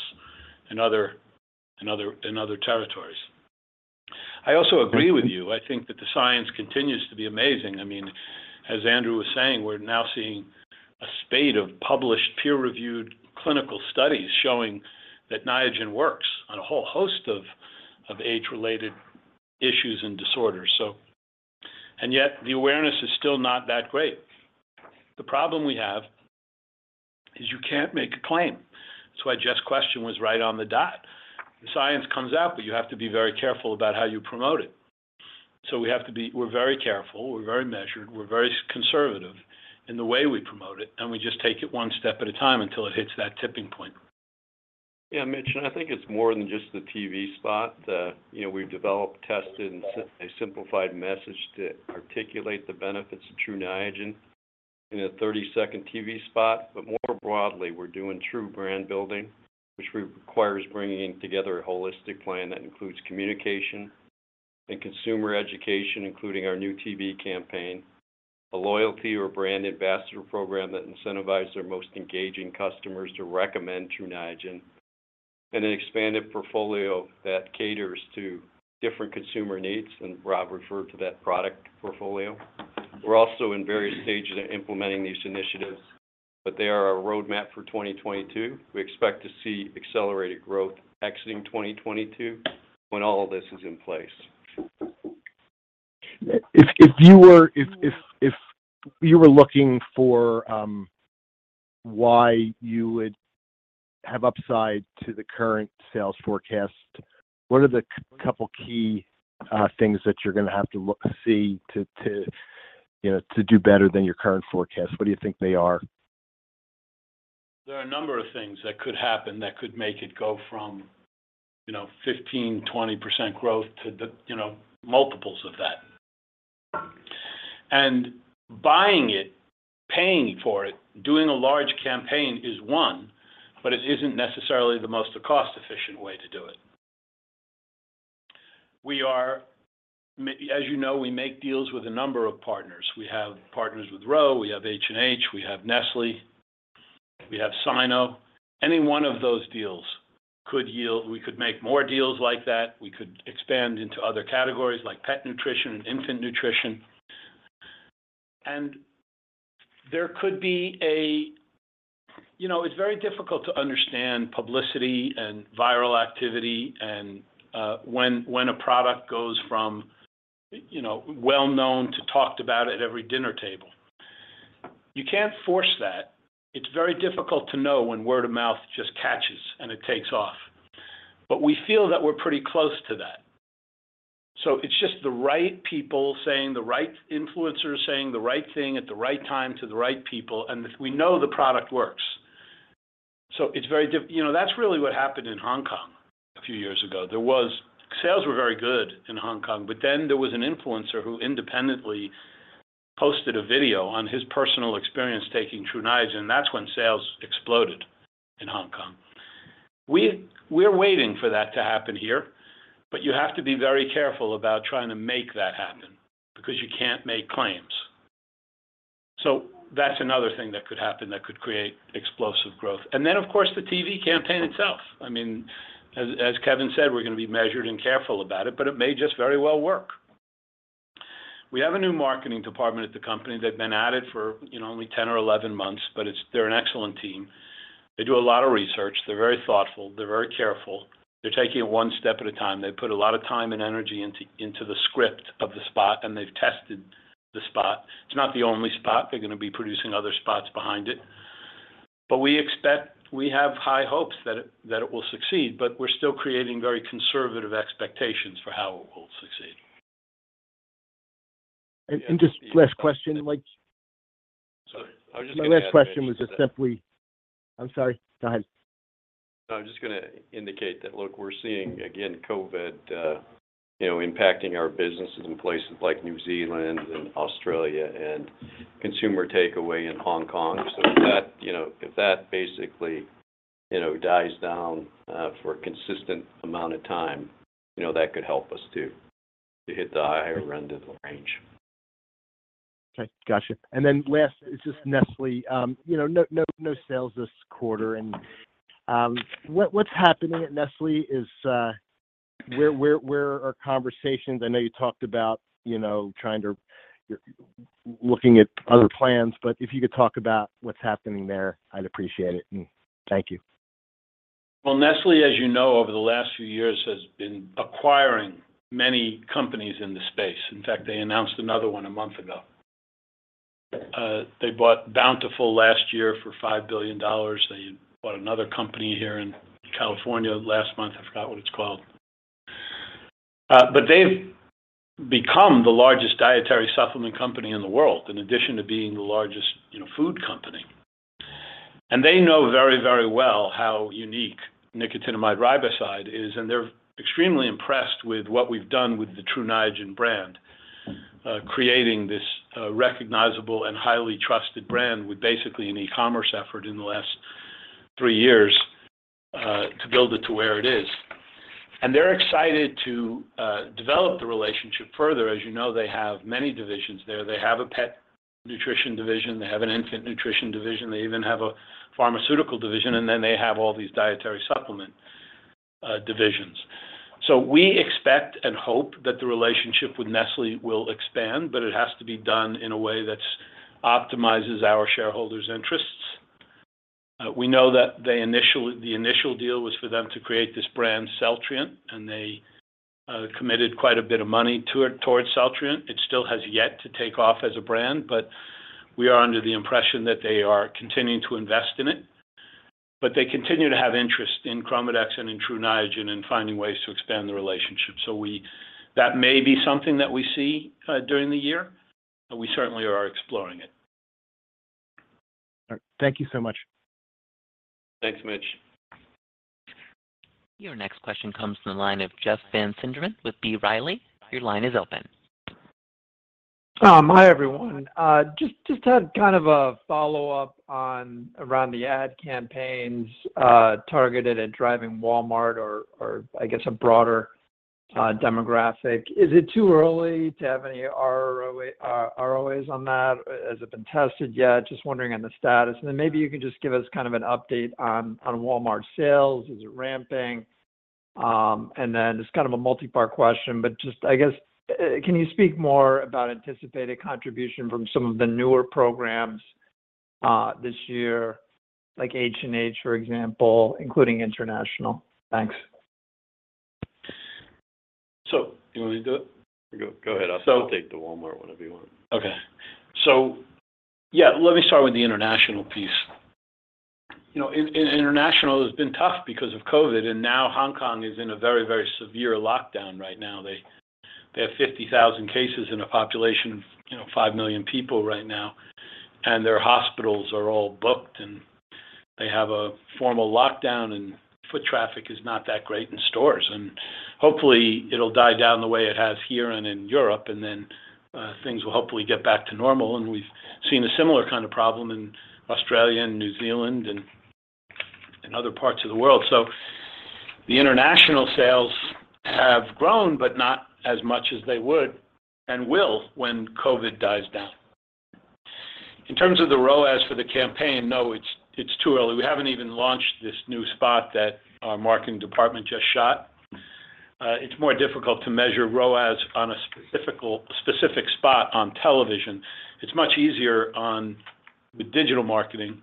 and other territories. I also agree with you. I think that the science continues to be amazing. I mean, as Andrew was saying, we're now seeing a spate of published peer-reviewed clinical studies showing that Niagen works on a whole host of age-related issues and disorders. Yet the awareness is still not that great. The problem we have is you can't make a claim. That's why Jeff's question was right on the dot. The science comes out, but you have to be very careful about how you promote it. We're very careful. We're very measured. We're very conservative in the way we promote it, and we just take it one step at a time until it hits that tipping point. Yeah, Mitch, I think it's more than just the TV spot. You know, we've developed, tested, and simplified message to articulate the benefits of Tru Niagen in a 30-second TV spot. More broadly, we're doing Tru brand building, which requires bringing together a holistic plan that includes communication and consumer education, including our new TV campaign, a loyalty or brand ambassador program that incentivizes our most engaging customers to recommend Tru Niagen, and an expanded portfolio that caters to different consumer needs, and Rob referred to that product portfolio. We're also in various stages of implementing these initiatives, but they are our roadmap for 2022. We expect to see accelerated growth exiting 2022 when all of this is in place. If you were looking for why you would have upside to the current sales forecast, what are the couple key things that you're gonna have to see to, you know, to do better than your current forecast? What do you think they are? There are a number of things that could happen that could make it go from, you know, 15%-20% growth to the, you know, multiples of that. Buying it, paying for it, doing a large campaign is one, but it isn't necessarily the most cost-efficient way to do it. As you know, we make deals with a number of partners. We have partners with Ro, we have H&H, we have Nestlé, we have Sinopharm. Any one of those deals could yield. We could make more deals like that. We could expand into other categories like pet nutrition and infant nutrition. There could be a. You know, it's very difficult to understand publicity and viral activity and when a product goes from, you know, well-known to talked about at every dinner table. You can't force that. It's very difficult to know when word of mouth just catches and it takes off. We feel that we're pretty close to that. It's just the right people, the right influencers saying the right thing at the right time to the right people, and we know the product works. You know, that's really what happened in Hong Kong a few years ago. Sales were very good in Hong Kong, but then there was an influencer who independently posted a video on his personal experience taking Tru Niagen, and that's when sales exploded in Hong Kong. We're waiting for that to happen here, but you have to be very careful about trying to make that happen because you can't make claims. That's another thing that could happen that could create explosive growth. Of course, the TV campaign itself. I mean, as Kevin said, we're gonna be measured and careful about it, but it may just very well work. We have a new marketing department at the company. They've been at it for, you know, only 10 or 11 months, but they're an excellent team. They do a lot of research. They're very thoughtful. They're very careful. They're taking it one step at a time. They put a lot of time and energy into the script of the spot, and they've tested the spot. It's not the only spot. They're gonna be producing other spots behind it. We expect. We have high hopes that it will succeed, but we're still creating very conservative expectations for how it will succeed. Just last question, like- Sorry- my last question was just simply. I'm sorry. Go ahead. No, I was just gonna indicate that, look, we're seeing, again, COVID, you know, impacting our businesses in places like New Zealand and Australia and consumer takeaway in Hong Kong. So if that basically, you know, dies down, for a consistent amount of time, you know, that could help us too, to hit the higher end of the range. Okay. Gotcha. Last, it's just Nestlé. You know, no sales this quarter and what's happening at Nestlé is where are conversations? I know you talked about you know you're looking at other plans, but if you could talk about what's happening there, I'd appreciate it. Thank you. Well, Nestlé, as you know, over the last few years, has been acquiring many companies in the space. In fact, they announced another one a month ago. They bought Bountiful last year for $5 billion. They bought another company here in California last month. I forgot what it's called. But they've become the largest dietary supplement company in the world, in addition to being the largest, you know, food company. They know very, very well how unique nicotinamide riboside is, and they're extremely impressed with what we've done with the Tru Niagen brand, creating this recognizable and highly trusted brand with basically an e-commerce effort in the last three years to build it to where it is. They're excited to develop the relationship further. As you know, they have many divisions there. They have a pet nutrition division. They have an infant nutrition division. They even have a pharmaceutical division, and then they have all these dietary supplement divisions. We expect and hope that the relationship with Nestlé will expand, but it has to be done in a way that optimizes our shareholders' interests. We know that the initial deal was for them to create this brand, Celltrient, and they committed quite a bit of money towards Celltrient. It still has yet to take off as a brand, but we are under the impression that they are continuing to invest in it. They continue to have interest in ChromaDex and in Tru Niagen and finding ways to expand the relationship. That may be something that we see during the year, but we certainly are exploring it. All right. Thank you so much. Thanks, Mitch. Your next question comes from the line of Jeff Van Sinderen with B. Riley. Your line is open. Hi, everyone. Just had kind of a follow-up on around the ad campaigns targeted at driving Walmart or I guess a broader demographic. Is it too early to have any ROAS on that? Has it been tested yet? Just wondering on the status. Then maybe you can just give us kind of an update on Walmart sales. Is it ramping? Then just kind of a multi-part question, but just I guess can you speak more about anticipated contribution from some of the newer programs this year, like H&H, for example, including international? Thanks. You want me to do it? Go ahead. I'll take the Walmart one if you want. Okay. Yeah, let me start with the international piece. You know, international has been tough because of COVID, and now Hong Kong is in a very severe lockdown right now. They have 50,000 cases in a population of, you know, 5 million people right now, and their hospitals are all booked, and they have a formal lockdown, and foot traffic is not that great in stores. Hopefully, it'll die down the way it has here and in Europe, and then, things will hopefully get back to normal. We've seen a similar kind of problem in Australia and New Zealand and other parts of the world. The international sales have grown, but not as much as they would and will when COVID dies down. In terms of the ROAS for the campaign, no, it's too early. We haven't even launched this new spot that our marketing department just shot. It's more difficult to measure ROAS on a specific spot on television. It's much easier with digital marketing.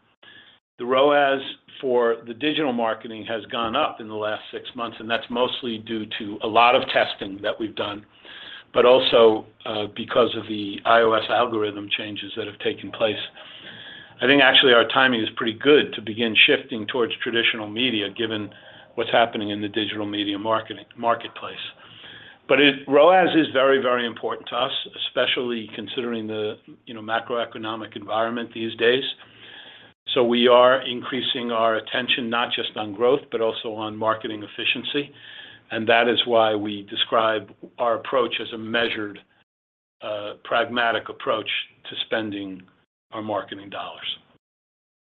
The ROAS for the digital marketing has gone up in the last six months, and that's mostly due to a lot of testing that we've done, but also because of the iOS algorithm changes that have taken place. I think actually our timing is pretty good to begin shifting towards traditional media, given what's happening in the digital media marketing marketplace. ROAS is very, very important to us, especially considering the, you know, macroeconomic environment these days. We are increasing our attention not just on growth, but also on marketing efficiency. That is why we describe our approach as a measured, pragmatic approach to spending our marketing dollars.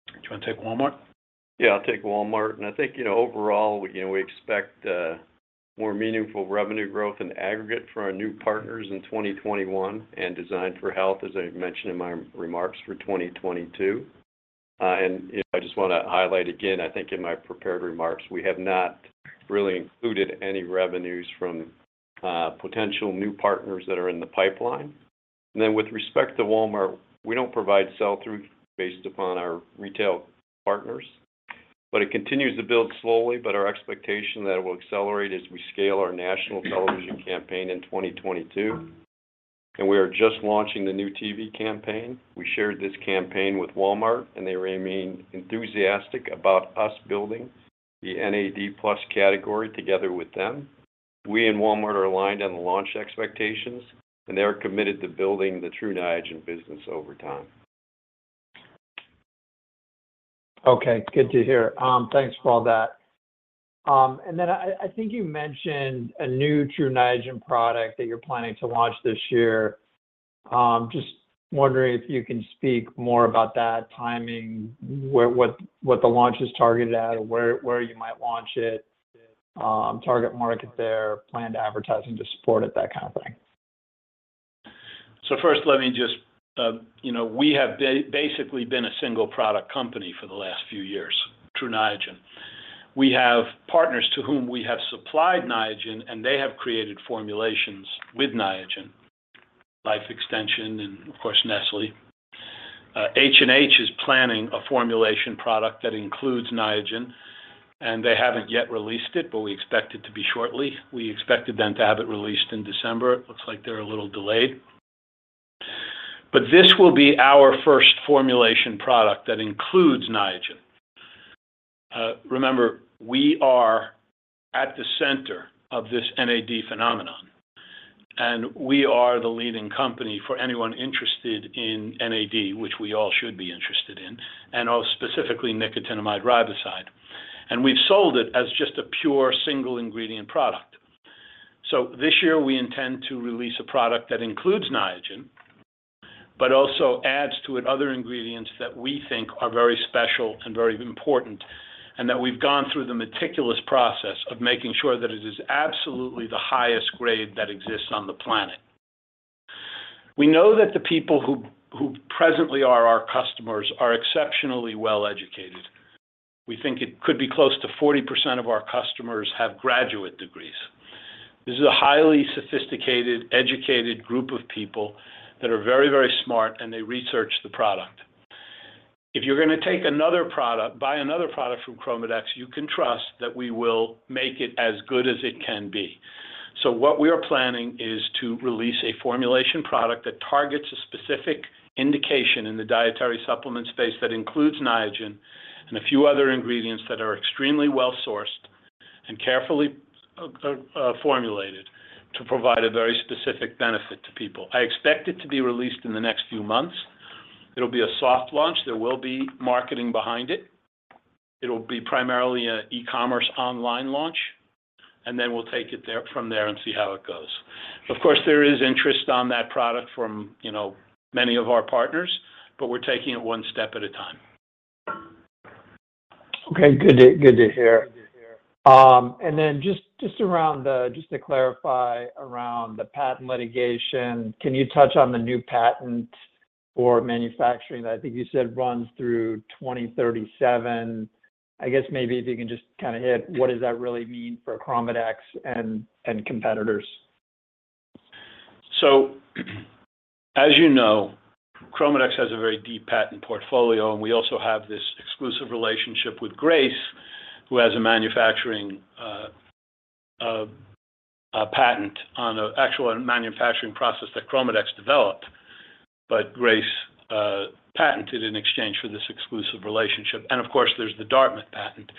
Do you want to take Walmart? Yeah, I'll take Walmart. I think, you know, overall, you know, we expect more meaningful revenue growth in aggregate for our new partners in 2021 and Designs for Health, as I mentioned in my remarks, for 2022. I just want to highlight again, I think in my prepared remarks, we have not really included any revenues from potential new partners that are in the pipeline. With respect to Walmart, we don't provide sell-through based upon our retail partners, but it continues to build slowly. Our expectation that it will accelerate as we scale our national television campaign in 2022, and we are just launching the new TV campaign. We shared this campaign with Walmart, and they remain enthusiastic about us building the NAD+ category together with them. We and Walmart are aligned on the launch expectations, and they are committed to building the Tru Niagen business over time. Okay, good to hear. Thanks for all that. I think you mentioned a new Tru Niagen product that you're planning to launch this year. Just wondering if you can speak more about that timing, what the launch is targeted at or where you might launch it, target market there, planned advertising to support it, that kind of thing. First let me just, you know, we have basically been a single product company for the last few years, Tru Niagen. We have partners to whom we have supplied Niagen, and they have created formulations with Niagen, Life Extension and of course Nestlé. H&H is planning a formulation product that includes Niagen, and they haven't yet released it, but we expect it to be shortly. We expected them to have it released in December. It looks like they're a little delayed. This will be our first formulation product that includes Niagen. Remember, we are at the center of this NAD phenomenon, and we are the leading company for anyone interested in NAD, which we all should be interested in, and specifically nicotinamide riboside. We've sold it as just a pure single ingredient product. This year we intend to release a product that includes Niagen, but also adds to it other ingredients that we think are very special and very important, and that we've gone through the meticulous process of making sure that it is absolutely the highest grade that exists on the planet. We know that the people who presently are our customers are exceptionally well-educated. We think it could be close to 40% of our customers have graduate degrees. This is a highly sophisticated, educated group of people that are very, very smart, and they research the product. If you're gonna take another product, buy another product from ChromaDex, you can trust that we will make it as good as it can be. What we are planning is to release a formulation product that targets a specific indication in the dietary supplement space that includes Niagen and a few other ingredients that are extremely well-sourced and carefully formulated to provide a very specific benefit to people. I expect it to be released in the next few months. It'll be a soft launch. There will be marketing behind it. It'll be primarily an e-commerce online launch, and then we'll take it from there and see how it goes. Of course, there is interest in that product from, you know, many of our partners, but we're taking it one step at a time. Okay, good to hear. Then just around the patent litigation, just to clarify, can you touch on the new patent for manufacturing that I think you said runs through 2037? I guess maybe if you can just kinda hit what does that really mean for ChromaDex and competitors. As you know, ChromaDex has a very deep patent portfolio, and we also have this exclusive relationship with W.R. Grace, who has a manufacturing patent on the actual manufacturing process that ChromaDex developed, but W.R. Grace patented in exchange for this exclusive relationship. Of course, there's the Dartmouth patent.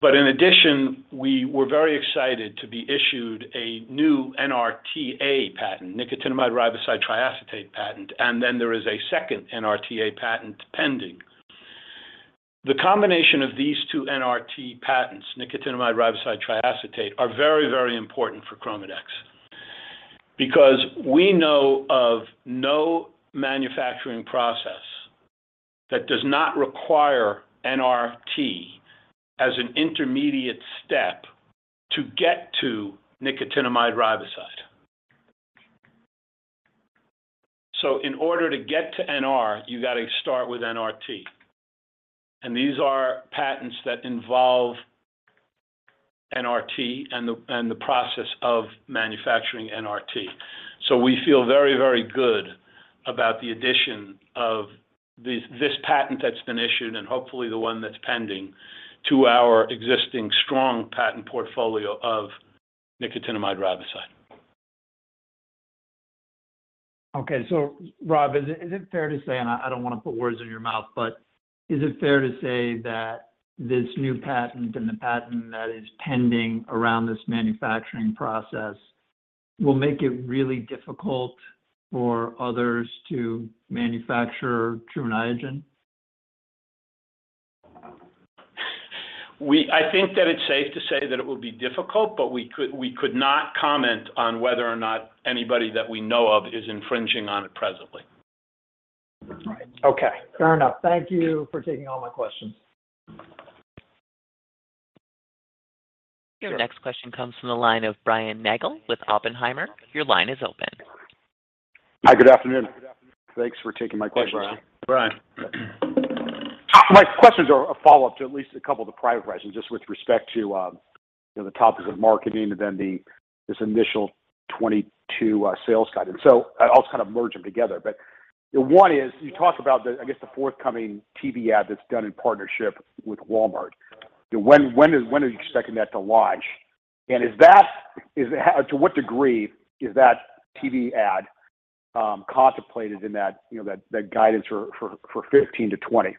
In addition, we were very excited to be issued a new NRTA patent, nicotinamide riboside triacetate patent, and then there is a second NRTA patent pending. The combination of these two NRTA patents, nicotinamide riboside triacetate, are very, very important for ChromaDex because we know of no manufacturing process that does not require NRTA as an intermediate step to get to nicotinamide riboside. In order to get to NR, you gotta start with NRTA. These are patents that involve NRTA and the process of manufacturing NRTA. We feel very, very good about the addition of this patent that's been issued, and hopefully the one that's pending, to our existing strong patent portfolio of nicotinamide riboside. Okay. Rob, is it fair to say, and I don't wanna put words in your mouth, but is it fair to say that this new patent and the patent that is pending around this manufacturing process will make it really difficult for others to manufacture Tru Niagen? I think that it's safe to say that it will be difficult, but we could not comment on whether or not anybody that we know of is infringing on it presently. Right. Okay. Fair enough. Thank you for taking all my questions. Your next question comes from the line of Brian Nagel with Oppenheimer. Your line is open. Hi, good afternoon. Thanks for taking my question. Hey, Brian. My questions are a follow-up to at least a couple of the prior questions, just with respect to, you know, the topics of marketing and then this initial 22 sales guidance. I'll just kind of merge them together. One is, you talk about the, I guess, the forthcoming TV ad that's done in partnership with Walmart. When are you expecting that to launch? And is that to what degree is that TV ad contemplated in that, you know, that guidance for 15%-20%?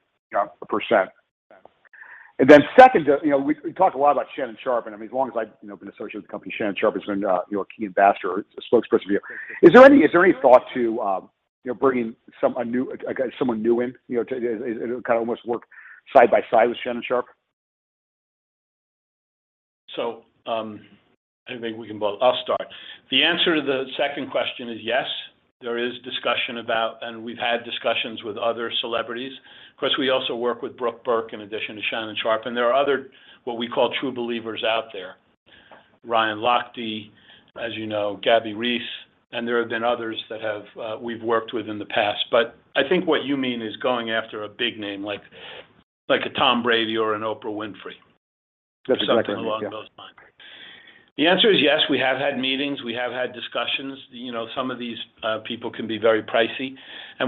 Then second, you know, we talked a lot about Shannon Sharpe. I mean, as long as I've, you know, been associated with the company, Shannon Sharpe has been your key ambassador, a spokesperson for you. Is there any thought to, you know, bringing someone new in, you know, to kind of almost work side by side with Shannon Sharpe? I'll start. The answer to the second question is yes, there is discussion about, and we've had discussions with other celebrities. Of course, we also work with Brooke Burke in addition to Shannon Sharpe, and there are other, what we call, true believers out there. Ryan Lochte, as you know, Gabby Reece, and there have been others that we've worked with in the past. I think what you mean is going after a big name like a Tom Brady or an Oprah Winfrey. That's exactly it, yeah. Something along those lines. The answer is yes. We have had meetings. We have had discussions. You know, some of these people can be very pricey.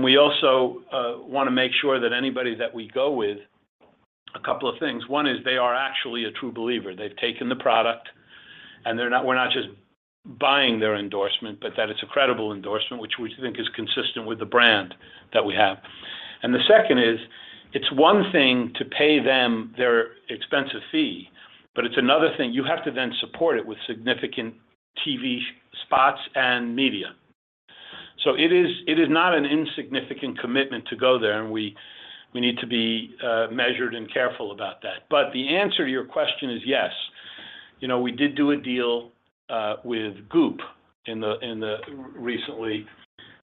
We also wanna make sure that anybody that we go with, a couple of things. One is they are actually a true believer. They've taken the product, and we're not just buying their endorsement, but that it's a credible endorsement, which we think is consistent with the brand that we have. The second is, it's one thing to pay them their expensive fee, but it's another thing. You have to then support it with significant TV spots and media. It is not an insignificant commitment to go there, and we need to be measured and careful about that. The answer to your question is yes. You know, we did do a deal with Goop recently.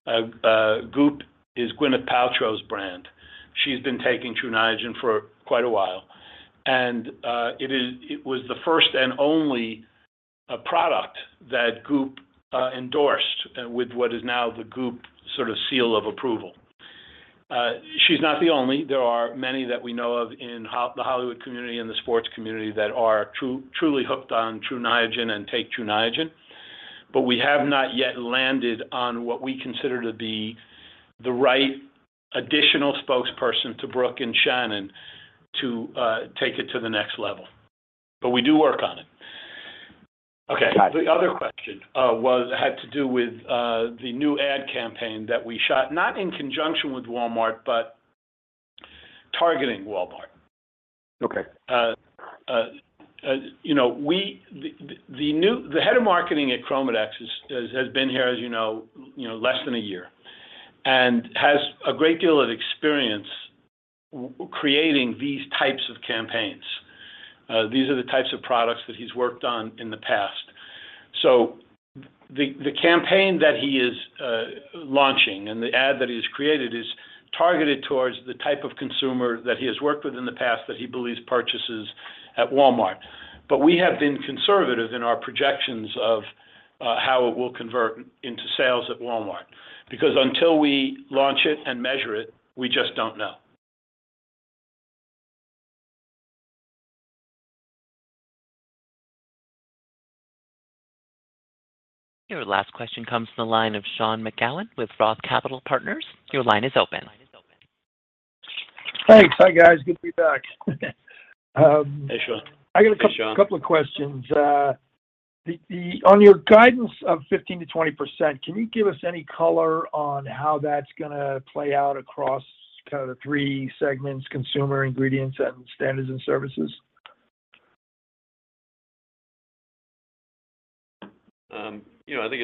Goop is Gwyneth Paltrow's brand. She's been taking Tru Niagen for quite a while. It was the first and only product that Goop endorsed with what is now the Goop sort of seal of approval. She's not the only. There are many that we know of in the Hollywood community and the sports community that are truly hooked on Tru Niagen and take Tru Niagen. We have not yet landed on what we consider to be the right additional spokesperson to Brooke and Shannon to take it to the next level. We do work on it. Got it. Okay. The other question had to do with the new ad campaign that we shot, not in conjunction with Walmart, but targeting Walmart. Okay. You know, the Head of Marketing at ChromaDex has been here, as you know, you know, less than a year, and has a great deal of experience creating these types of campaigns. These are the types of products that he's worked on in the past. The campaign that he is launching and the ad that he's created is targeted towards the type of consumer that he has worked with in the past that he believes purchases at Walmart. We have been conservative in our projections of how it will convert into sales at Walmart. Because until we launch it and measure it, we just don't know. Your last question comes from the line of Sean McGowan with Roth Capital Partners. Your line is open. Thanks. Hi, guys. Good to be back. Hey, Sean. Hey, Sean. I got a couple of questions. On your guidance of 15%-20%, can you give us any color on how that's gonna play out across kind of the three segments, consumer, ingredients, and standards, and services? You know, I think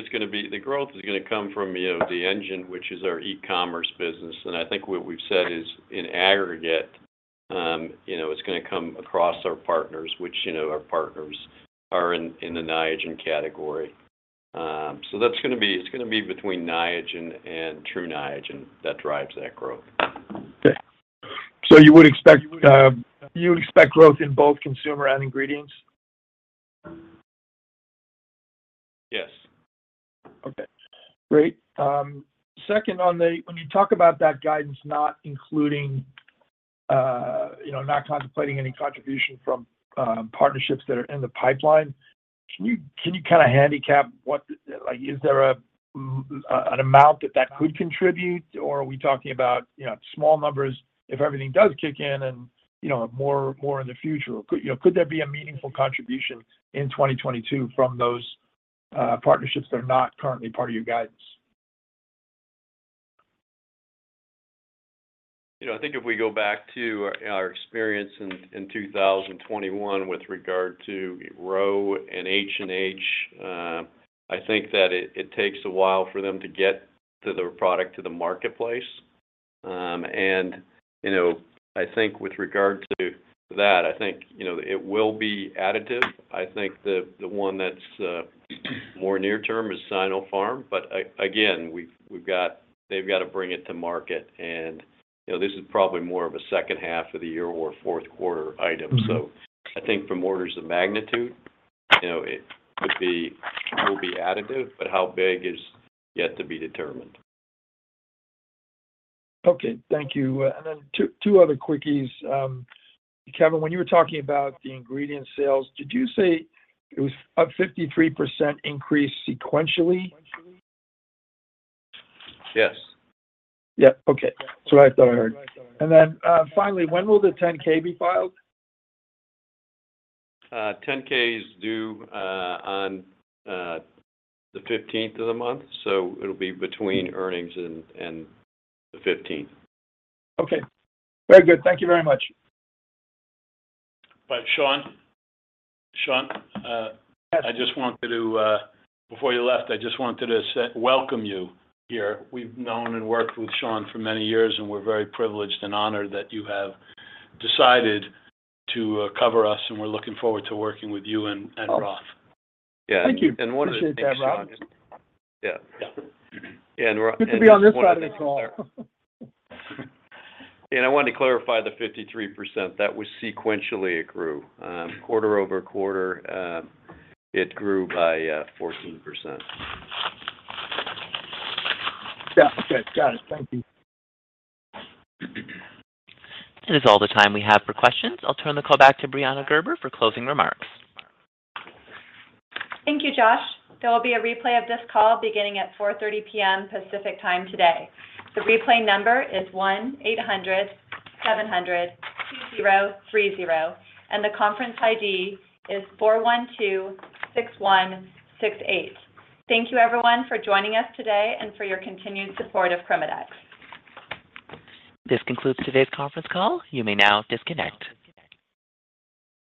the growth is gonna come from, you know, the engine, which is our e-commerce business. I think what we've said is in aggregate, you know, it's gonna come across our partners, which, you know, our partners are in the Niagen category. That's gonna be between Niagen and Tru Niagen that drives that growth. Okay. You would expect growth in both consumer and ingredients? Yes. Okay. Great. Second on the—when you talk about that guidance not including, you know, not contemplating any contribution from partnerships that are in the pipeline, can you kind of handicap what the. Like, is there an amount that that could contribute, or are we talking about, you know, small numbers if everything does kick in and, you know, more in the future? Could there be a meaningful contribution in 2022 from those partnerships that are not currently part of your guidance? You know, I think if we go back to our experience in 2021 with regard to Ro and H&H, I think that it takes a while for them to get the product to the marketplace. You know, I think with regard to that, I think it will be additive. I think the one that's more near term is Sinopharm. But again, they've got to bring it to market and, you know, this is probably more of a second half of the year or fourth quarter item. So I think from orders of magnitude, you know, it could be will be additive, but how big is yet to be determined. Okay. Thank you. Two other quickies. Kevin, when you were talking about the ingredient sales, did you say it was up 53% increase sequentially? Yes. Yeah. Okay. That's what I thought I heard. Then, finally, when will the 10-K be filed? 10-K is due on the fifteenth of the month, so it'll be between earnings and the fifteenth. Okay. Very good. Thank you very much. Sean, Yes. I just wanted to, before you left, I just wanted to welcome you here. We've known and worked with Sean for many years, and we're very privileged and honored that you have decided to cover us, and we're looking forward to working with you and Roth. Yeah. Thank you. One of the things, Sean- appreciate that, Rob. Yeah. Yeah. One other thing there. Good to be on this side of the call. I wanted to clarify the 53%. That was sequential. It grew quarter-over-quarter by 14%. Yeah. Good. Got it. Thank you. That is all the time we have for questions. I'll turn the call back to Brianna Gerber for closing remarks. Thank you, Josh. There will be a replay of this call beginning at 4:30 P.M. Pacific Time today. The replay number is 1-800-770-2030, and the conference ID is 4126168. Thank you everyone for joining us today and for your continued support of ChromaDex. This concludes today's conference call. You may now disconnect.